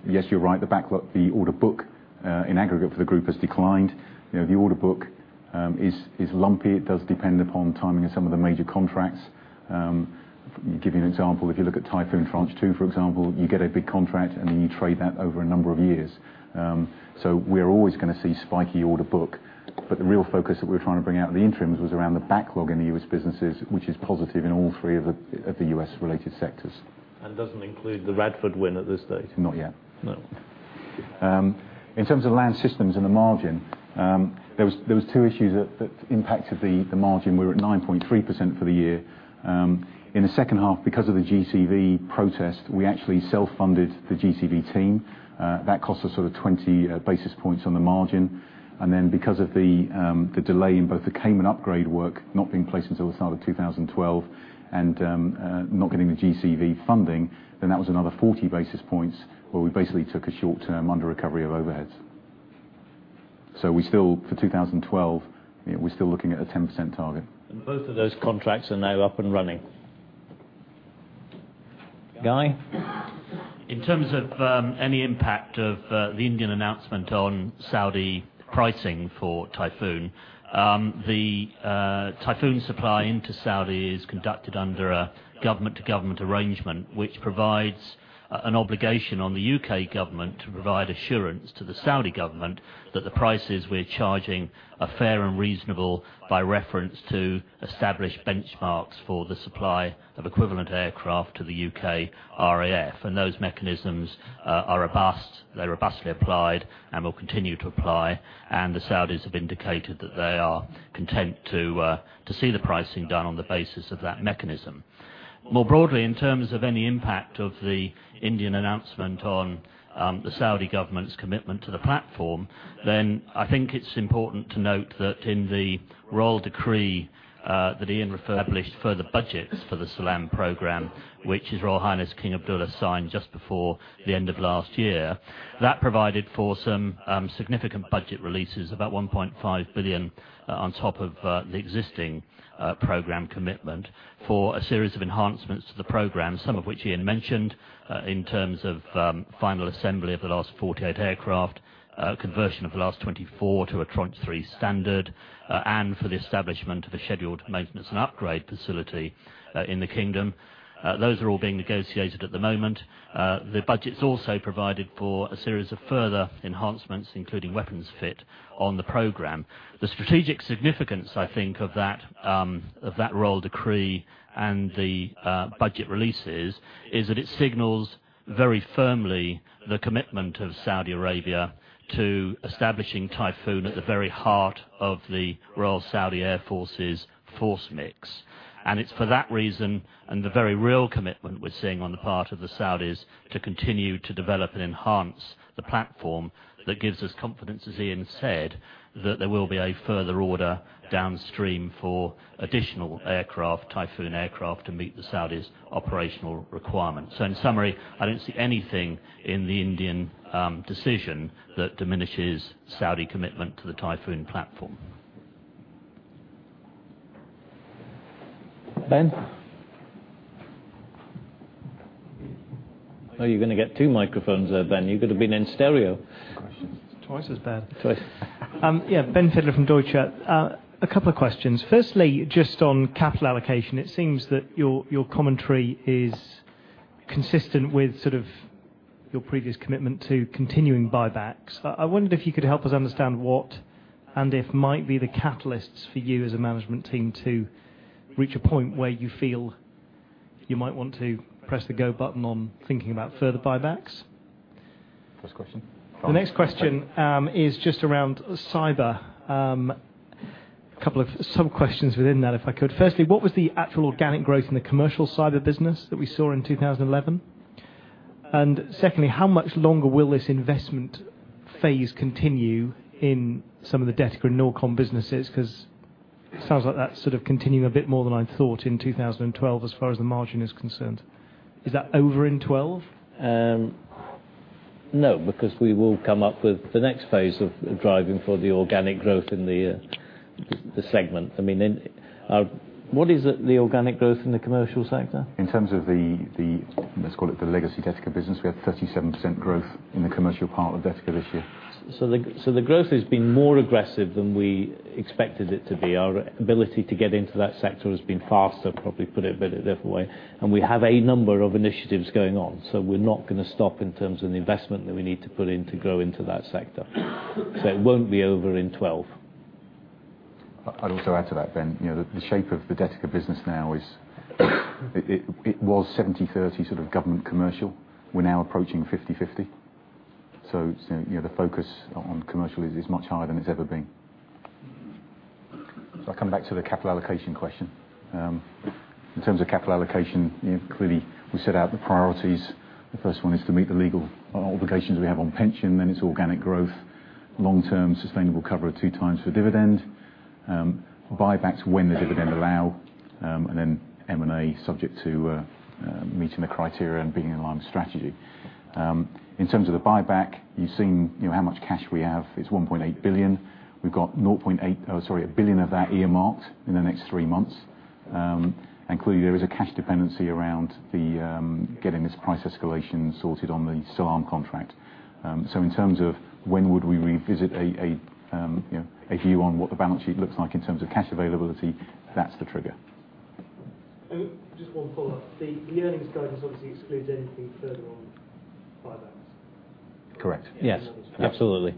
yes, you're right, the order book in aggregate for the group has declined. The order book Is lumpy. It does depend upon timing of some major contracts. Give you an example, if you look at Typhoon Tranche 2, for example, you get a big contract, then you trade that over a number of years. We are always going to see spiky order book, but the real focus that we're trying to bring out in the interims was around the backlog in the U.S. businesses, which is positive in all three of the U.S.-related sectors. Doesn't include the Radford win at this stage? Not yet. No. In terms of Land Systems and the margin, there was two issues that impacted the margin. We were at 9.3% for the year. In the second half, because of the GCV protest, we actually self-funded the GCV team. That cost us 20 basis points on the margin. Because of the delay in both the Caiman upgrade work not being placed until the start of 2012, and not getting the GCV funding, then that was another 40 basis points, where we basically took a short-term under recovery of overheads. We still, for 2012, we're still looking at a 10% target. Both of those contracts are now up and running. Guy? In terms of any impact of the Indian announcement on Saudi pricing for Typhoon, the Typhoon supply into Saudi is conducted under a government-to-government arrangement, which provides an obligation on the U.K. government to provide assurance to the Saudi government that the prices we're charging are fair and reasonable by reference to established benchmarks for the supply of equivalent aircraft to the U.K. RAF. Those mechanisms are robust. They're robustly applied and will continue to apply, and the Saudis have indicated that they are content to see the pricing done on the basis of that mechanism. More broadly, in terms of any impact of the Indian announcement on the Saudi government's commitment to the platform, I think it's important to note that in the Royal Decree that Ian referred, published further budgets for the Salam program, which His Royal Highness, King Abdullah, signed just before the end of last year. That provided for some significant budget releases, about 1.5 billion on top of the existing program commitment for a series of enhancements to the program, some of which Ian mentioned, in terms of final assembly of the last 48 aircraft, conversion of the last 24 to a Tranche 3 standard, and for the establishment of a scheduled maintenance and upgrade facility in the kingdom. Those are all being negotiated at the moment. The budget has also provided for a series of further enhancements, including weapons fit on the program. The strategic significance, I think, of that Royal Decree and the budget releases, is that it signals very firmly the commitment of Saudi Arabia to establishing Typhoon at the very heart of the Royal Saudi Air Force's force mix. It's for that reason, and the very real commitment we're seeing on the part of the Saudis to continue to develop and enhance the platform, that gives us confidence, as Ian said, that there will be a further order downstream for additional aircraft, Typhoon aircraft, to meet the Saudis' operational requirements. In summary, I don't see anything in the Indian decision that diminishes Saudi commitment to the Typhoon platform. Ben. Oh, you're going to get two microphones there, Ben. You could've been in stereo. Questions. Twice as bad. Twice. Yeah. Ben Heelan from Deutsche. A couple of questions. Firstly, just on capital allocation, it seems that your commentary is consistent with your previous commitment to continuing buybacks. I wondered if you could help us understand what and if might be the catalysts for you as a management team to reach a point where you feel you might want to press the go button on thinking about further buybacks. First question. The next question is just around cyber. Couple of sub-questions within that, if I could. Firstly, what was the actual organic growth in the commercial cyber business that we saw in 2011? Secondly, how much longer will this investment phase continue in some of the Detica Norkom businesses? Because it sounds like that's continuing a bit more than I thought in 2012, as far as the margin is concerned. Is that over in 2012? No, because we will come up with the next phase of driving for the organic growth in the segment. What is the organic growth in the commercial sector? In terms of the, let's call it, the legacy Detica business, we had 37% growth in the commercial part of Detica this year. The growth has been more aggressive than we expected it to be. Our ability to get into that sector has been faster, probably put it a bit a different way. We have a number of initiatives going on. We're not going to stop in terms of the investment that we need to put in to grow into that sector. It won't be over in 2012. I'd also add to that, Ben, the shape of the Detica business now is, it was 70/30, sort of government commercial. We're now approaching 50/50. The focus on commercial is much higher than it's ever been. I come back to the capital allocation question. In terms of capital allocation, clearly, we set out the priorities. The first one is to meet the legal obligations we have on pension. Then it's organic growth, long-term sustainable cover of two times for dividend, buybacks when the dividend allow, and then M&A subject to meeting the criteria and being in line with strategy. In terms of the buyback, you've seen how much cash we have. It's 1.8 billion. We've got 1 billion of that earmarked in the next three months. Clearly, there is a cash dependency around getting this price escalation sorted on the Salam contract. In terms of when would we revisit a view on what the balance sheet looks like in terms of cash availability, that's the trigger. Just one follow-up. The earnings guidance obviously excludes anything further on buybacks. Correct. Yes. Yes. Absolutely.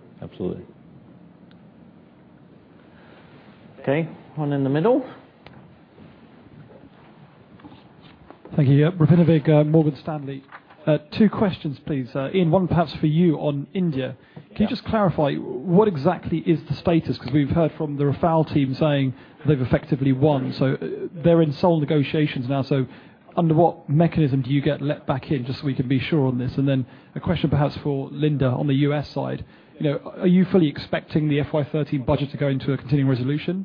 Okay, one in the middle. Thank you. Ravina Vig, Morgan Stanley. Two questions, please. Ian, one perhaps for you on India. Yeah. Can you just clarify what exactly is the status? Rafale team saying they've effectively won, they're in sole negotiations now. Under what mechanism do you get let back in, just so we can be sure on this? Then a question perhaps for Linda on the U.S. side. Are you fully expecting the FY 2013 budget to go into a continuing resolution?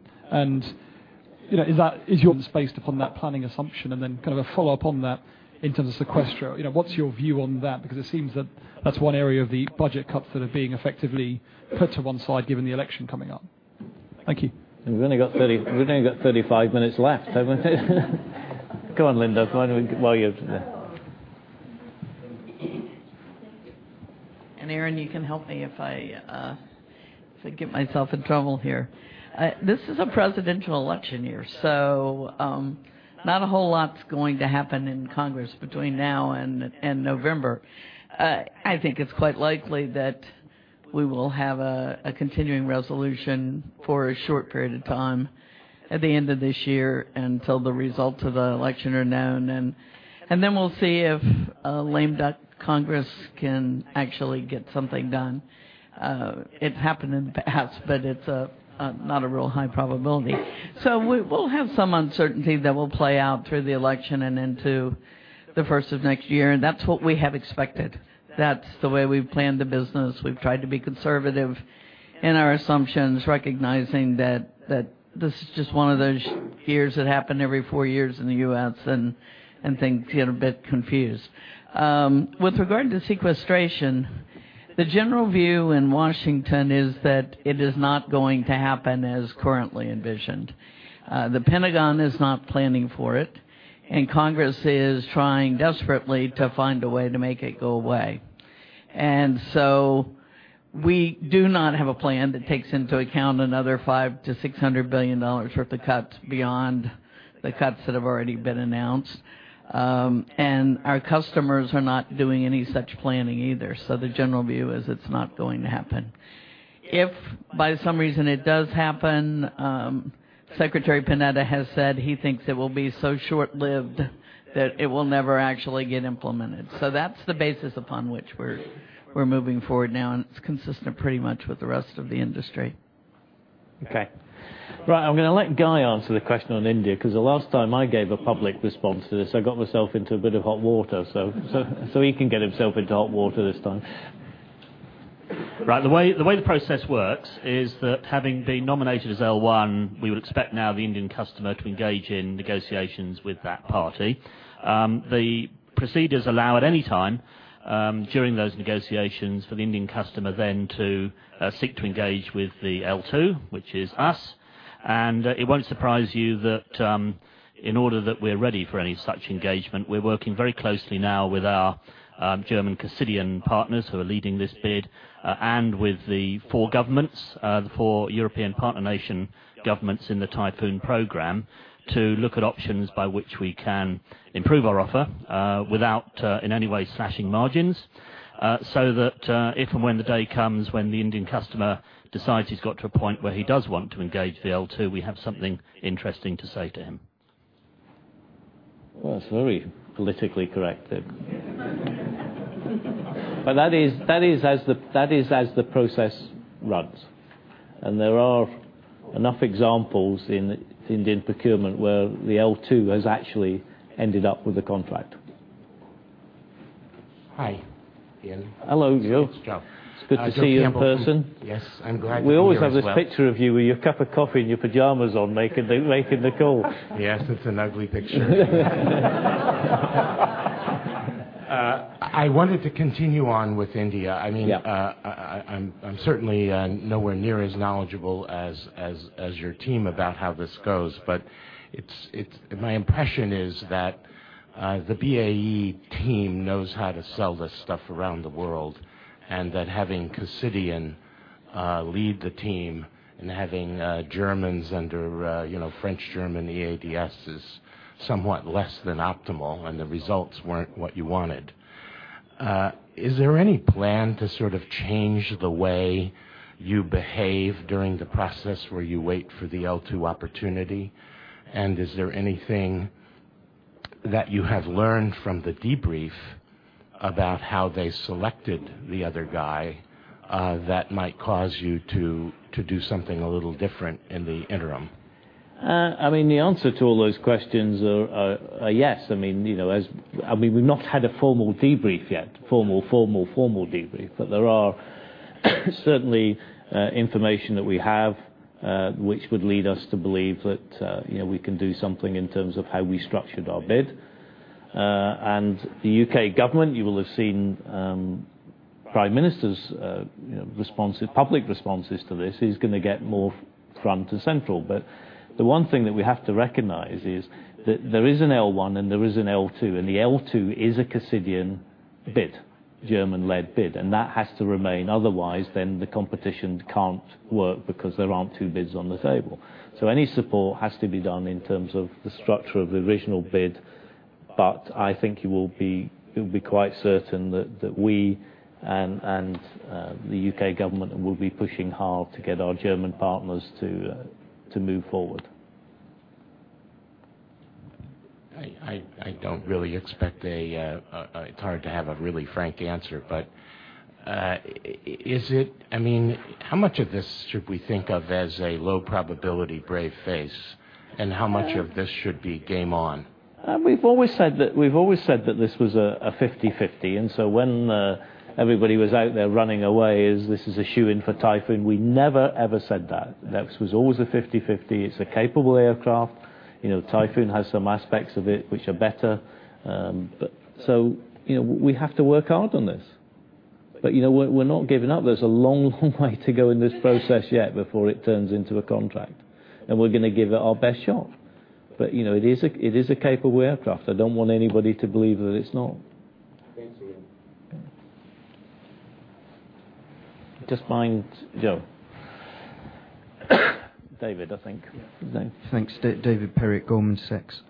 Is yours based upon that planning assumption? Then a follow-up on that in terms of sequestration. What's your view on that? It seems that that's one area of the budget cuts that are being effectively put to one side given the election coming up. Thank you. We've only got 35 minutes left, haven't we? Go on, Linda, while you're there. Aaron, you can help me if I get myself in trouble here. This is a presidential election year, not a whole lot's going to happen in Congress between now and November. I think it's quite likely that we will have a continuing resolution for a short period of time at the end of this year until the results of the election are known, then we'll see if a lame duck Congress can actually get something done. It happened in the past, it's not a real high probability. We'll have some uncertainty that will play out through the election and into the first of next year, that's what we have expected. That's the way we've planned the business. We've tried to be conservative in our assumptions, recognizing that this is just one of those years that happen every four years in the U.S., things get a bit confused. With regard to sequestration, the general view in Washington is that it is not going to happen as currently envisioned. The Pentagon is not planning for it, Congress is trying desperately to find a way to make it go away. So we do not have a plan that takes into account another GBP 500 billion-GBP 600 billion worth of cuts beyond the cuts that have already been announced. Our customers are not doing any such planning either. The general view is it's not going to happen. If by some reason it does happen, Secretary Panetta has said he thinks it will be so short-lived that it will never actually get implemented. That is the basis upon which we are moving forward now, and it is consistent pretty much with the rest of the industry. Right, I am going to let Guy answer the question on India, because the last time I gave a public response to this, I got myself into a bit of hot water. He can get himself into hot water this time. Right. The way the process works is that having been nominated as L1, we would expect now the Indian customer to engage in negotiations with that party. The procedures allow at any time during those negotiations for the Indian customer then to seek to engage with the L2, which is us. It will not surprise you that in order that we are ready for any such engagement, we are working very closely now with our German Cassidian partners who are leading this bid, and with the four governments, the four European partner nation governments in the Typhoon program, to look at options by which we can improve our offer, without in any way slashing margins. That, if and when the day comes when the Indian customer decides he has got to a point where he does want to engage the L2, we have something interesting to say to him. Well, that is very politically correct. That is as the process runs. There are enough examples in Indian procurement where the L2 has actually ended up with the contract. Hi, Ian. Hello, Joe. It's Joe. It's good to see you in person. Yes, I'm glad to be here as well. We always have this picture of you with your cup of coffee and your pajamas on making the call. Yes, it's an ugly picture. I wanted to continue on with India. Yeah. I'm certainly nowhere near as knowledgeable as your team about how this goes, but my impression is that the BAE team knows how to sell this stuff around the world, and that having Cassidian lead the team and having Germans under French-German EADS is somewhat less than optimal, and the results weren't what you wanted. Is there any plan to change the way you behave during the process, where you wait for the L2 opportunity? Is there anything that you have learned from the debrief about how they selected the other guy that might cause you to do something a little different in the interim? The answer to all those questions is yes. We've not had a formal debrief yet. There is certainly information that we have, which would lead us to believe that we can do something in terms of how we structured our bid. The U.K. government, you will have seen Prime Minister's public responses to this is going to get more front and central. The one thing that we have to recognize is that there is an L1 and there is an L2, and the L2 is a Cassidian bid, German-led bid, and that has to remain, otherwise the competition can't work because there aren't two bids on the table. Any support has to be done in terms of the structure of the original bid. I think you will be quite certain that we and the U.K. government will be pushing hard to get our German partners to move forward. I don't really expect It's hard to have a really frank answer, how much of this should we think of as a low probability brave face, and how much of this should be game on? We've always said that this was a 50/50, when everybody was out there running away, this is a shoo-in for Typhoon, we never, ever said that. This was always a 50/50. It's a capable aircraft. Typhoon has some aspects of it which are better. We have to work hard on this. We're not giving up. There's a long way to go in this process yet before it turns into a contract, and we're going to give it our best shot. It is a capable aircraft. I don't want anybody to believe that it's not. Thanks again. Just behind Joe. David, I think. Thanks. David Perry at Goldman Sachs.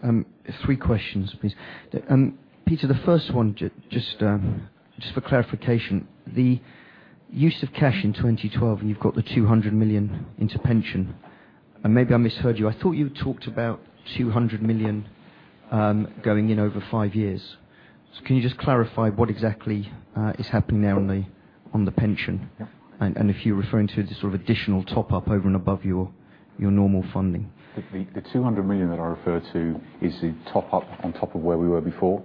Three questions, please. Peter, the first one, just for clarification, the use of cash in 2012. You've got the 200 million into pension. Maybe I misheard you. I thought you talked about 200 million going in over five years. Can you just clarify what exactly is happening there on the pension? Yeah. If you're referring to the sort of additional top-up over and above your normal funding. The 200 million that I referred to is the top-up on top of where we were before,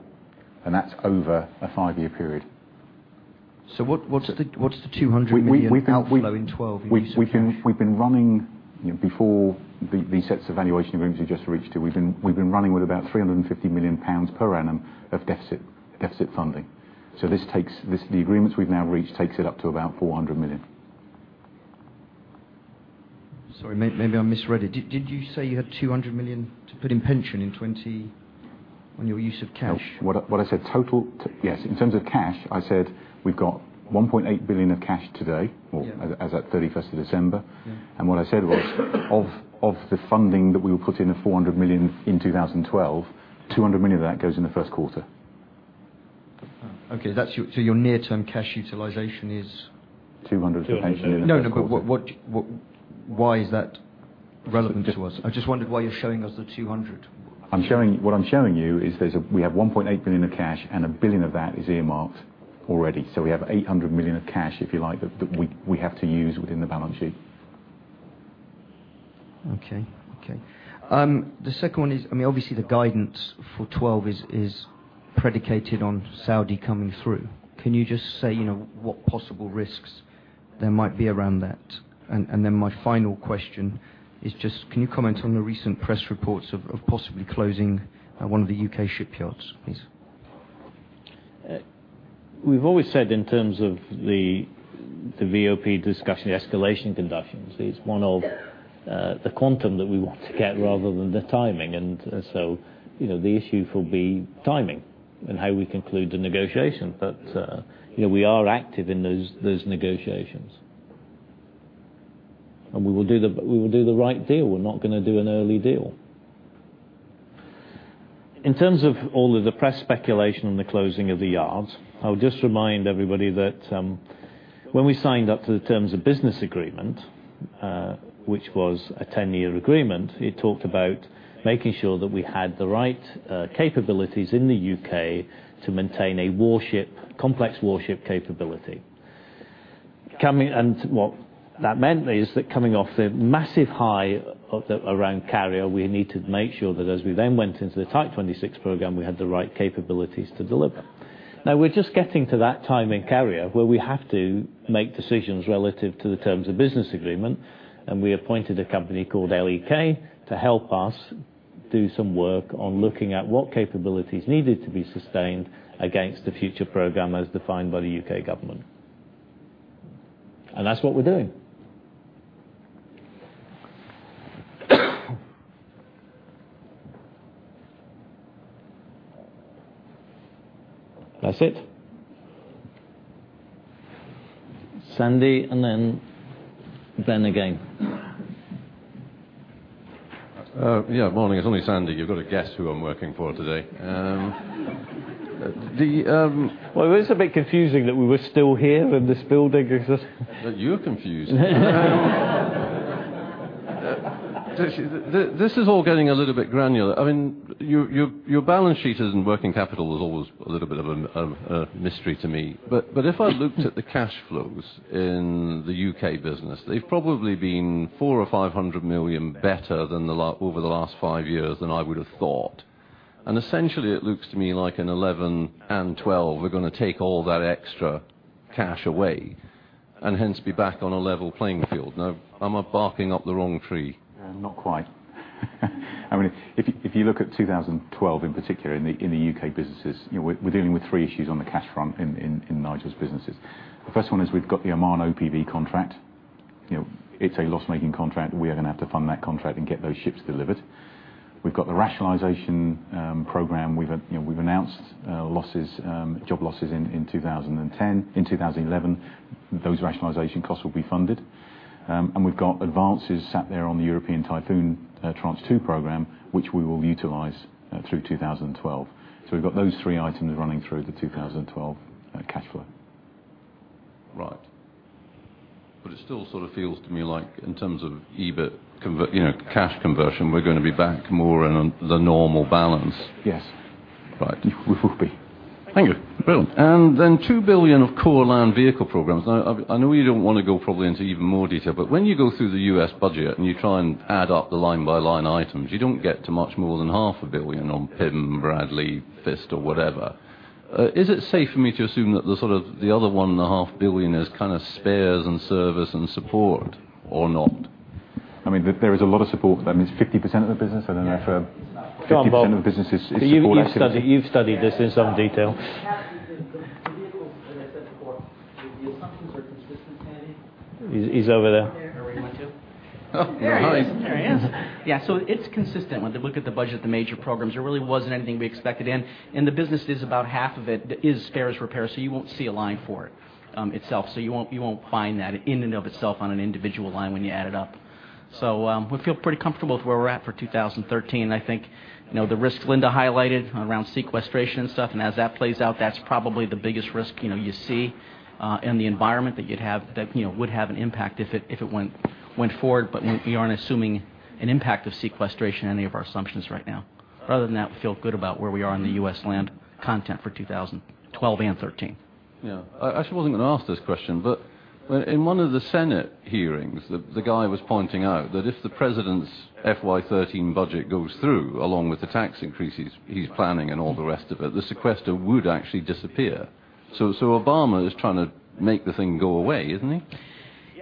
and that's over a five-year period. What's the GBP 200 million outflow in 2012 in use of cash? Before these sets of valuation agreements we just reached to, we've been running with about 350 million pounds per annum of deficit funding. The agreements we've now reached takes it up to about 400 million. Sorry, maybe I misread it. Did you say you had 200 million to put in pension on your use of cash? What I said. Yes, in terms of cash, I said we've got 1.8 billion of cash today. Yeah Well, as at 31st of December. Yeah. What I said was of the funding that we will put in of 400 million in 2012, 200 million of that goes in the first quarter. Okay. Your near-term cash utilization is. 200 into pension- Why is that relevant to us? I just wondered why you're showing us the 200. What I'm showing you is we have 1.8 billion of cash, and 1 billion of that is earmarked already. We have 800 million of cash, if you like, that we have to use within the balance sheet. The second one is, obviously the guidance for 2012 is predicated on Saudi coming through. Can you just say what possible risks there might be around that? My final question is just can you comment on the recent press reports of possibly closing one of the U.K. shipyards, please? We've always said in terms of the VoP discussion, the escalation discussions, it's one of the quantum that we want to get rather than the timing. The issue for me, timing and how we conclude the negotiation. We are active in those negotiations. We will do the right deal. We're not going to do an early deal. In terms of all of the press speculation on the closing of the yards, I would just remind everybody that when we signed up to the Terms of Business Agreement, which was a 10-year agreement, it talked about making sure that we had the right capabilities in the U.K. to maintain a complex warship capability. What that meant is that coming off the massive high around carrier, we need to make sure that as we then went into the Type 26 program, we had the right capabilities to deliver. Now we're just getting to that time in carrier where we have to make decisions relative to the Terms of Business Agreement, and we appointed a company called LEK to help us do some work on looking at what capabilities needed to be sustained against the future program as defined by the U.K. government. That's what we're doing. That's it. Sandy, and then Ben again. Yeah. Morning. It's only Sandy. You've got to guess who I'm working for today. Well, it is a bit confusing that we're still here in this building. You're confused. This is all getting a little bit granular. Your balance sheet and working capital is always a little bit of a mystery to me. If I looked at the cash flows in the U.K. business, they've probably been 400 million or 500 million better over the last five years than I would've thought. Essentially, it looks to me like in 2011 and 2012, we're going to take all that extra cash away, and hence be back on a level playing field. Am I barking up the wrong tree? Not quite. I mean, if you look at 2012 in particular in the U.K. businesses, we're dealing with three issues on the cash front in Nigel's businesses. The first one is we've got the Oman OPV contract. It's a loss-making contract. We are going to have to fund that contract and get those ships delivered. We've got the rationalization program. We've announced job losses in 2010. In 2011, those rationalization costs will be funded. We've got advances sat there on the European Typhoon Tranche 2 program, which we will utilize through 2012. We've got those three items running through the 2012 cash flow. Right. It still sort of feels to me like in terms of EBIT, cash conversion, we're going to be back more in the normal balance. Yes. Right. We will be. Thank you. Brilliant. 2 billion of core land vehicle programs. I know you don't want to go probably into even more detail, but when you go through the U.S. budget and you try and add up the line-by-line items, you don't get to much more than half a billion on PIM, Bradley, FIST, or whatever. Is it safe for me to assume that the other $1.5 billion is kind of spares and service and support or not? I mean, there is a lot of support. I mean, it's 50% of the business. I don't know if 50% of the business is- You've studied this in some detail. The vehicles, as I said before, the assumptions are consistent, Sandy. He's over there. Where he went to. Hi. There he is. Yeah, it's consistent. When they look at the budget of the major programs, there really wasn't anything we expected in, and the business is about half of it is spares, repairs, so you won't see a line for it itself. You won't find that in and of itself on an individual line when you add it up. We feel pretty comfortable with where we're at for 2013. I think the risks Linda highlighted around sequestration and stuff, and as that plays out, that's probably the biggest risk you see in the environment that would have an impact if it went forward, but we aren't assuming an impact of sequestration in any of our assumptions right now. Other than that, we feel good about where we are in the U.S. land content for 2012 and '13. Yeah. I actually wasn't going to ask this question, but in one of the Senate hearings, the guy was pointing out that if the president's FY 2013 budget goes through, along with the tax increases he's planning and all the rest of it, the sequestration would actually disappear. Obama is trying to make the thing go away, isn't he?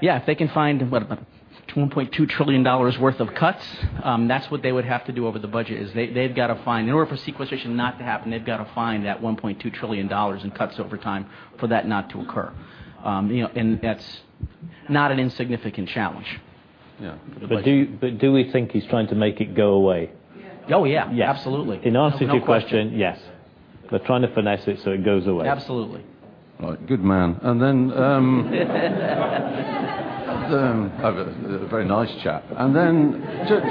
Yeah, if they can find, what, about $2.2 trillion worth of cuts, that's what they would have to do over the budget, is they've got to find, in order for sequestration not to happen, they've got to find that $1.2 trillion in cuts over time for that not to occur. That's not an insignificant challenge. Yeah. Do we think he's trying to make it go away? Oh, yeah. Absolutely. In answer to your question, yes. They're trying to finesse it so it goes away. Absolutely. All right. Good man. A very nice chap.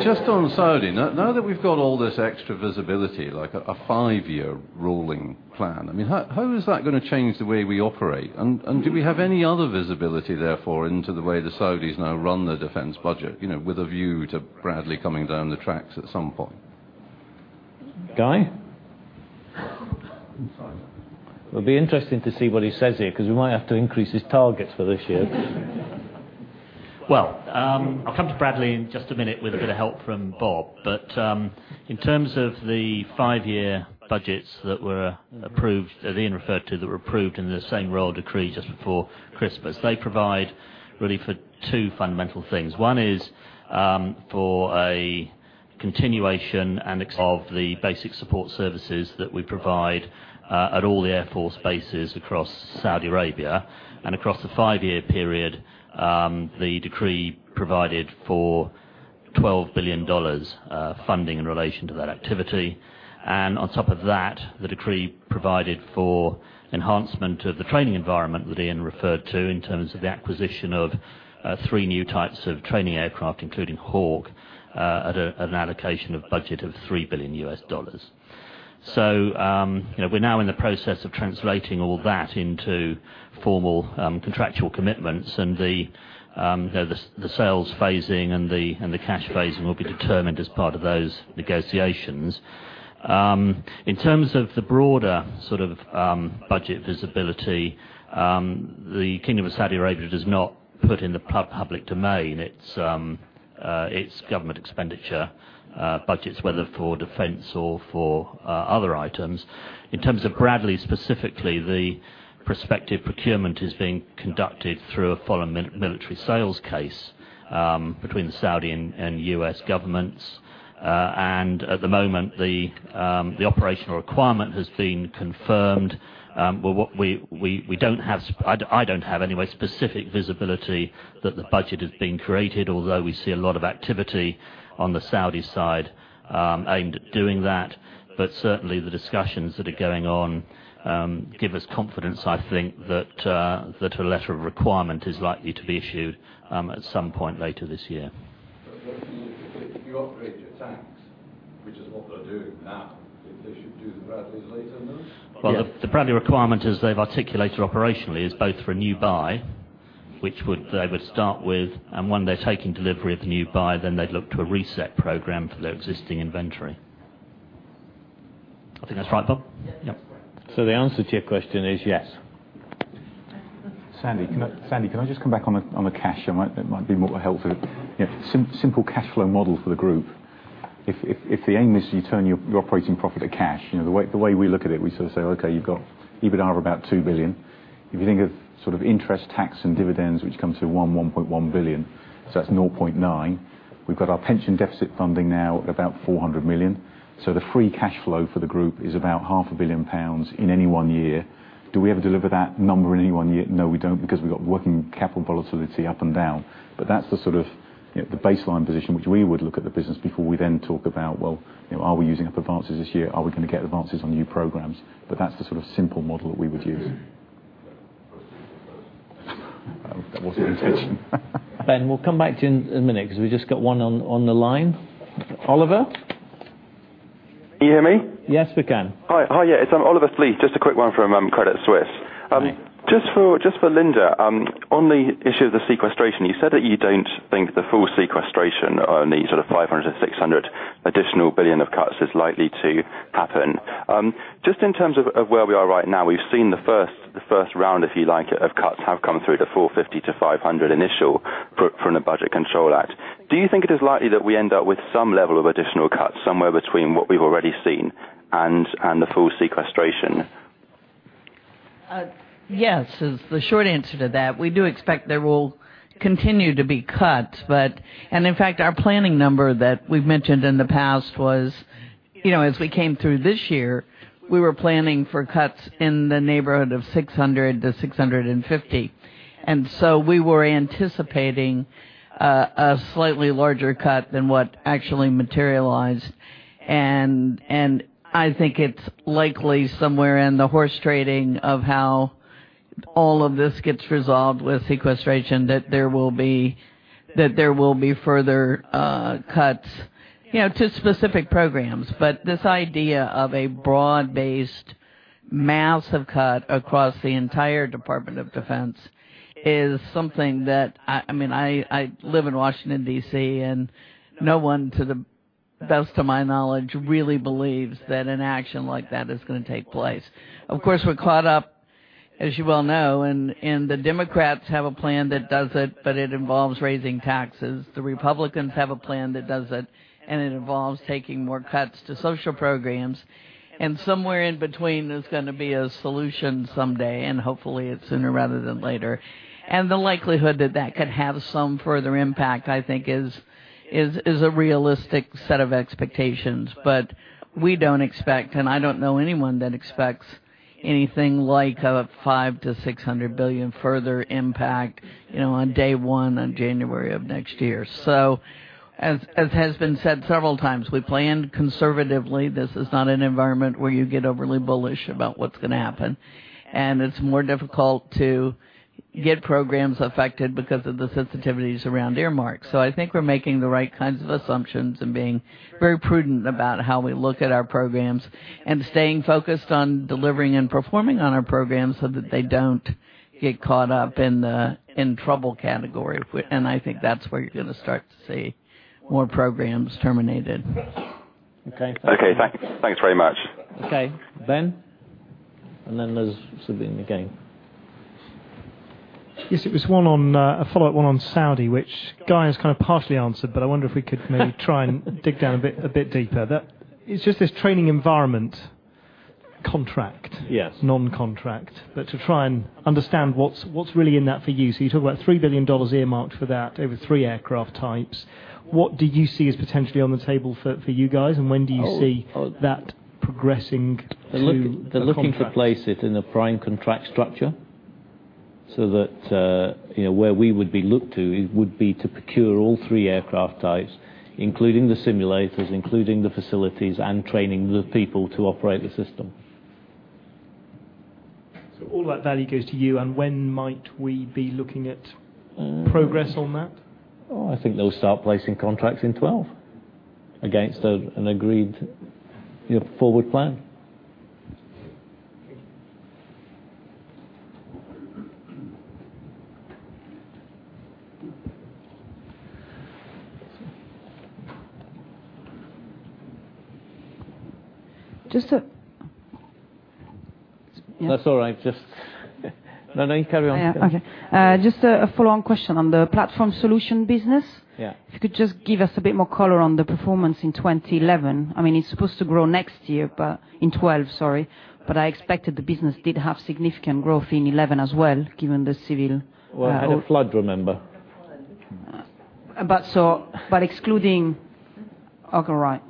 Just on Saudi, now that we've got all this extra visibility, like a five-year rolling plan, I mean, how is that going to change the way we operate? Do we have any other visibility, therefore, into the way the Saudis now run their defense budget, with a view to Bradley coming down the tracks at some point? Guy? It'll be interesting to see what he says here, because we might have to increase his targets for this year. Well, I'll come to Bradley in just a minute with a bit of help from Bob. In terms of the five-year budgets that were approved, that Ian referred to, that were approved in the same royal decree just before Christmas, they provide really for two fundamental things. One is for a continuation and of the basic support services that we provide at all the Air Force bases across Saudi Arabia. Across the five-year period, the decree provided for GBP 12 billion funding in relation to that activity. On top of that, the decree provided for enhancement of the training environment that Ian referred to in terms of the acquisition of three new types of training aircraft, including Hawk, at an allocation of budget of $3 billion. We're now in the process of translating all that into formal contractual commitments, the sales phasing and the cash phasing will be determined as part of those negotiations. In terms of the broader sort of budget visibility, the Kingdom of Saudi Arabia does not put in the public domain its government expenditure budgets, whether for defense or for other items. In terms of Bradley specifically, the prospective procurement is being conducted through a Foreign Military Sales case between the Saudi and U.S. governments. At the moment, the operational requirement has been confirmed, but we don't have, I don't have, anyway, specific visibility that the budget has been created, although we see a lot of activity on the Saudi side aimed at doing that. Certainly, the discussions that are going on give us confidence, I think, that a letter of requirement is likely to be issued at some point later this year. If you upgrade your tanks, which is what they're doing now, they should do the Bradleys later, then? The Bradley requirement, as they've articulated operationally, is both for a new buy, which they would start with, and when they're taking delivery of the new buy, then they'd look to a reset program for their existing inventory. I think that's right, Bob? Yep. The answer to your question is yes. Sandy, can I just come back on the cash? It might be more helpful. Simple cash flow model for the group. If the aim is you turn your operating profit to cash, the way we look at it, we sort of say, okay, you've got EBITDA of about 2 billion. If you think of interest, tax, and dividends, which comes to 1.1 billion, that's 0.9. We've got our pension deficit funding now about 400 million. The free cash flow for the group is about half a billion GBP in any one year. Do we ever deliver that number in any one year? No, we don't, because we've got working capital volatility up and down. That's the baseline position which we would look at the business before we then talk about, well, are we using up advances this year? Are we going to get advances on new programs? That's the sort of simple model that we would use. That wasn't the intention. Ben, we'll come back to you in a minute because we just got one on the line. Oliver? Can you hear me? Yes, we can. Hi. It's Oliver Fleet. Just a quick one from Credit Suisse. Hi. Just for Linda, on the issue of the sequestration, you said that you don't think the full sequestration on the $500 billion or $600 billion additional of cuts is likely to happen. Just in terms of where we are right now, we've seen the first round, if you like, of cuts have come through, the $450 billion to $500 billion initial, from the Budget Control Act. Do you think it is likely that we end up with some level of additional cuts, somewhere between what we've already seen and the full sequestration? Yes, is the short answer to that. We do expect there will continue to be cuts. In fact, our planning number that we've mentioned in the past was, as we came through this year, we were planning for cuts in the neighborhood of $600 billion to $650 billion. So we were anticipating a slightly larger cut than what actually materialized, and I think it's likely somewhere in the horse trading of how all of this gets resolved with sequestration, that there will be further cuts to specific programs. This idea of a broad-based, massive cut across the entire Department of Defense is something that, I live in Washington, D.C., and no one, to the best of my knowledge, really believes that an action like that is going to take place. Of course, we are caught up, as you well know, the Democrats have a plan that does it, but it involves raising taxes. The Republicans have a plan that does it, and it involves taking more cuts to social programs, and somewhere in between is going to be a solution someday, hopefully it is sooner rather than later. The likelihood that that could have some further impact, I think, is a realistic set of expectations. We do not expect, and I do not know anyone that expects anything like a 5 billion to 600 billion further impact, on day one on January of next year. As has been said several times, we planned conservatively. This is not an environment where you get overly bullish about what is going to happen, and it is more difficult to get programs affected because of the sensitivities around earmarks. I think we are making the right kinds of assumptions and being very prudent about how we look at our programs and staying focused on delivering and performing on our programs so that they do not get caught up in trouble category. I think that is where you are going to start to see more programs terminated. Okay. Okay, thanks very much. Okay. Ben, then there is something again. it was a follow-up one on Saudi, which Guy has kind of partially answered, but I wonder if we could maybe try and dig down a bit deeper. That is just this training environment Yes non-contract. To try and understand what's really in that for you. You talk about GBP 3 billion earmarked for that over 3 aircraft types. What do you see as potentially on the table for you guys, and when do you see that progressing through the contract? They're looking to place it in a prime contract structure, that where we would be looked to would be to procure all 3 aircraft types, including the simulators, including the facilities, and training the people to operate the system. All that value goes to you, and when might we be looking at progress on that? I think they'll start placing contracts in 2012, against an agreed forward plan. Just a- That's all right. No, you carry on. Yeah. Okay. Just a follow-on question on the Platform Solutions business. Yeah. If you could just give us a bit more color on the performance in 2011. It's supposed to grow next year, in 2012, sorry, I expected the business did have significant growth in 2011 as well, given the Well, we had a flood, remember. The flood. Excluding Okay, right.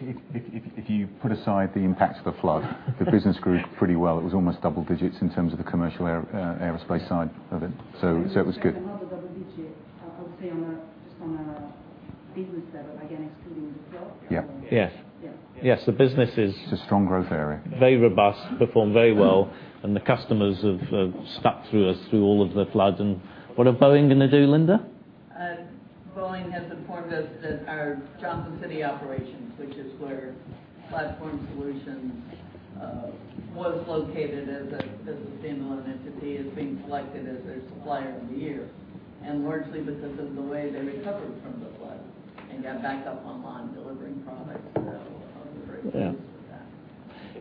If you put aside the impacts of the flood, the business grew pretty well. It was almost double digits in terms of the commercial aerospace side of it. It was good. It was another double digit, I would say, just on a business level, again, excluding the flood. Yeah. Yeah. Yeah. Yes. It's a strong growth area. very robust, performed very well. The customers have stuck through us through all of the floods and what are Boeing going to do, Linda? Boeing has informed us that our Johnson City operations, which is where Platform Solutions was located as a standalone entity, is being selected as their supplier of the year. Largely because of the way they recovered from the flood and got back up online delivering products. That was great news.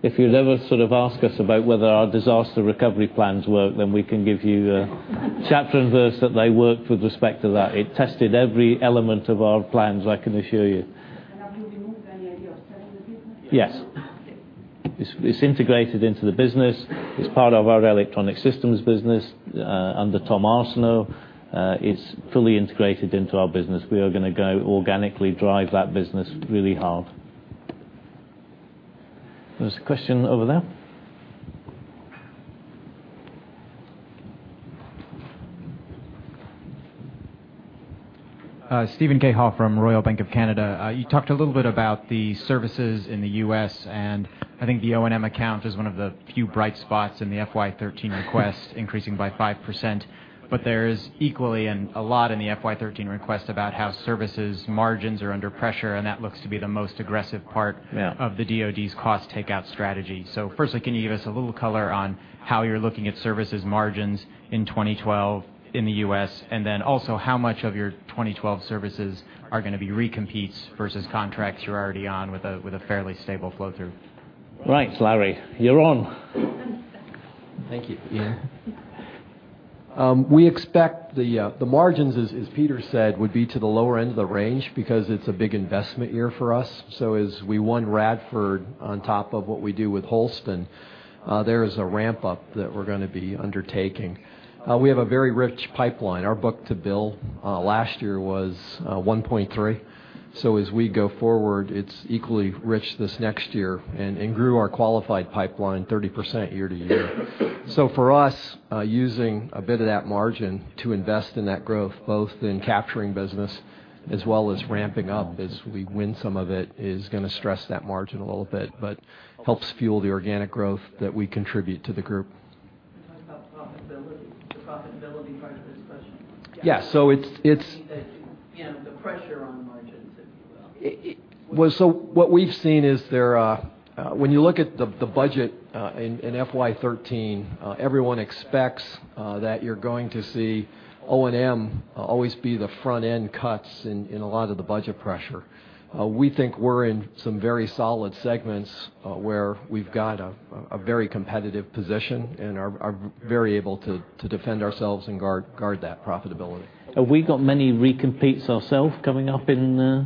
If you'll ever sort of ask us about whether our disaster recovery plans work, we can give you chapter and verse that they worked with respect to that. It tested every element of our plans, I can assure you. Have you removed any idea of selling the business? Yes. It's integrated into the business. It's part of our Electronic Systems business under Tom Arseneault. It's fully integrated into our business. We are going to go organically drive that business really hard. There's a question over there. Steven Cahall from Royal Bank of Canada. You talked a little bit about the services in the U.S. I think the O&M account is one of the few bright spots in the FY 2013 request, increasing by 5%. There's equally and a lot in the FY 2013 request about how services margins are under pressure, and that looks to be the most aggressive part- Yeah of the DoD's cost takeout strategy. Firstly, can you give us a little color on how you're looking at services margins in 2012 in the U.S.? Then also, how much of your 2012 services are going to be recompetes versus contracts you're already on with a fairly stable flow-through? Right, Larry, you're on. Thank you. We expect the margins, as Peter said, would be to the lower end of the range because it's a big investment year for us. As we won Radford on top of what we do with Holston, there is a ramp-up that we're going to be undertaking. We have a very rich pipeline. Our book-to-bill last year was 1.3. As we go forward, it's equally rich this next year, and grew our qualified pipeline 30% year-to-year. For us, using a bit of that margin to invest in that growth, both in capturing business as well as ramping up as we win some of it, is going to stress that margin a little bit, but helps fuel the organic growth that we contribute to the group. Can you talk about the profitability part of this question? Yeah. You know, the pressure on margins, if you will. What we've seen is when you look at the budget in FY 2013, everyone expects that you're going to see O&M always be the front-end cuts in a lot of the budget pressure. We think we're in some very solid segments where we've got a very competitive position and are very able to defend ourselves and guard that profitability. Have we got many recompetes ourselves coming up? No.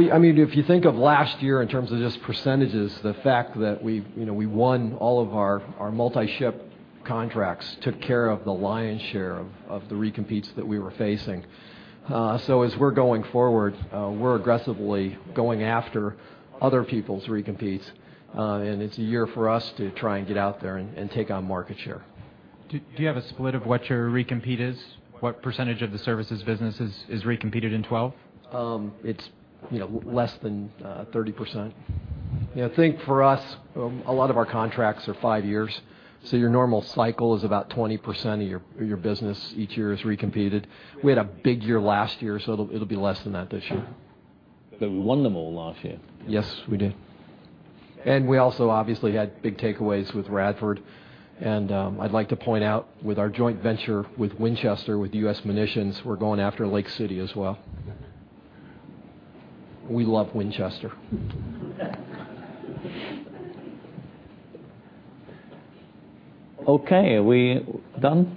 If you think of last year in terms of just percentages, the fact that we won all of our multi-ship contracts took care of the lion's share of the recompetes that we were facing. As we're going forward, we're aggressively going after other people's recompetes, and it's a year for us to try and get out there and take on market share. Do you have a split of what your recompete is? What % of the services business is recompeted in 2012? It's less than 30%. I think for us, a lot of our contracts are five years, your normal cycle is about 20% of your business each year is recompeted. We had a big year last year, it'll be less than that this year. We won them all last year. Yes, we did. We also obviously had big takeaways with Radford, and I'd like to point out with our joint venture with Winchester, with U.S. Munitions, we're going after Lake City as well. We love Winchester. Okay. Are we done?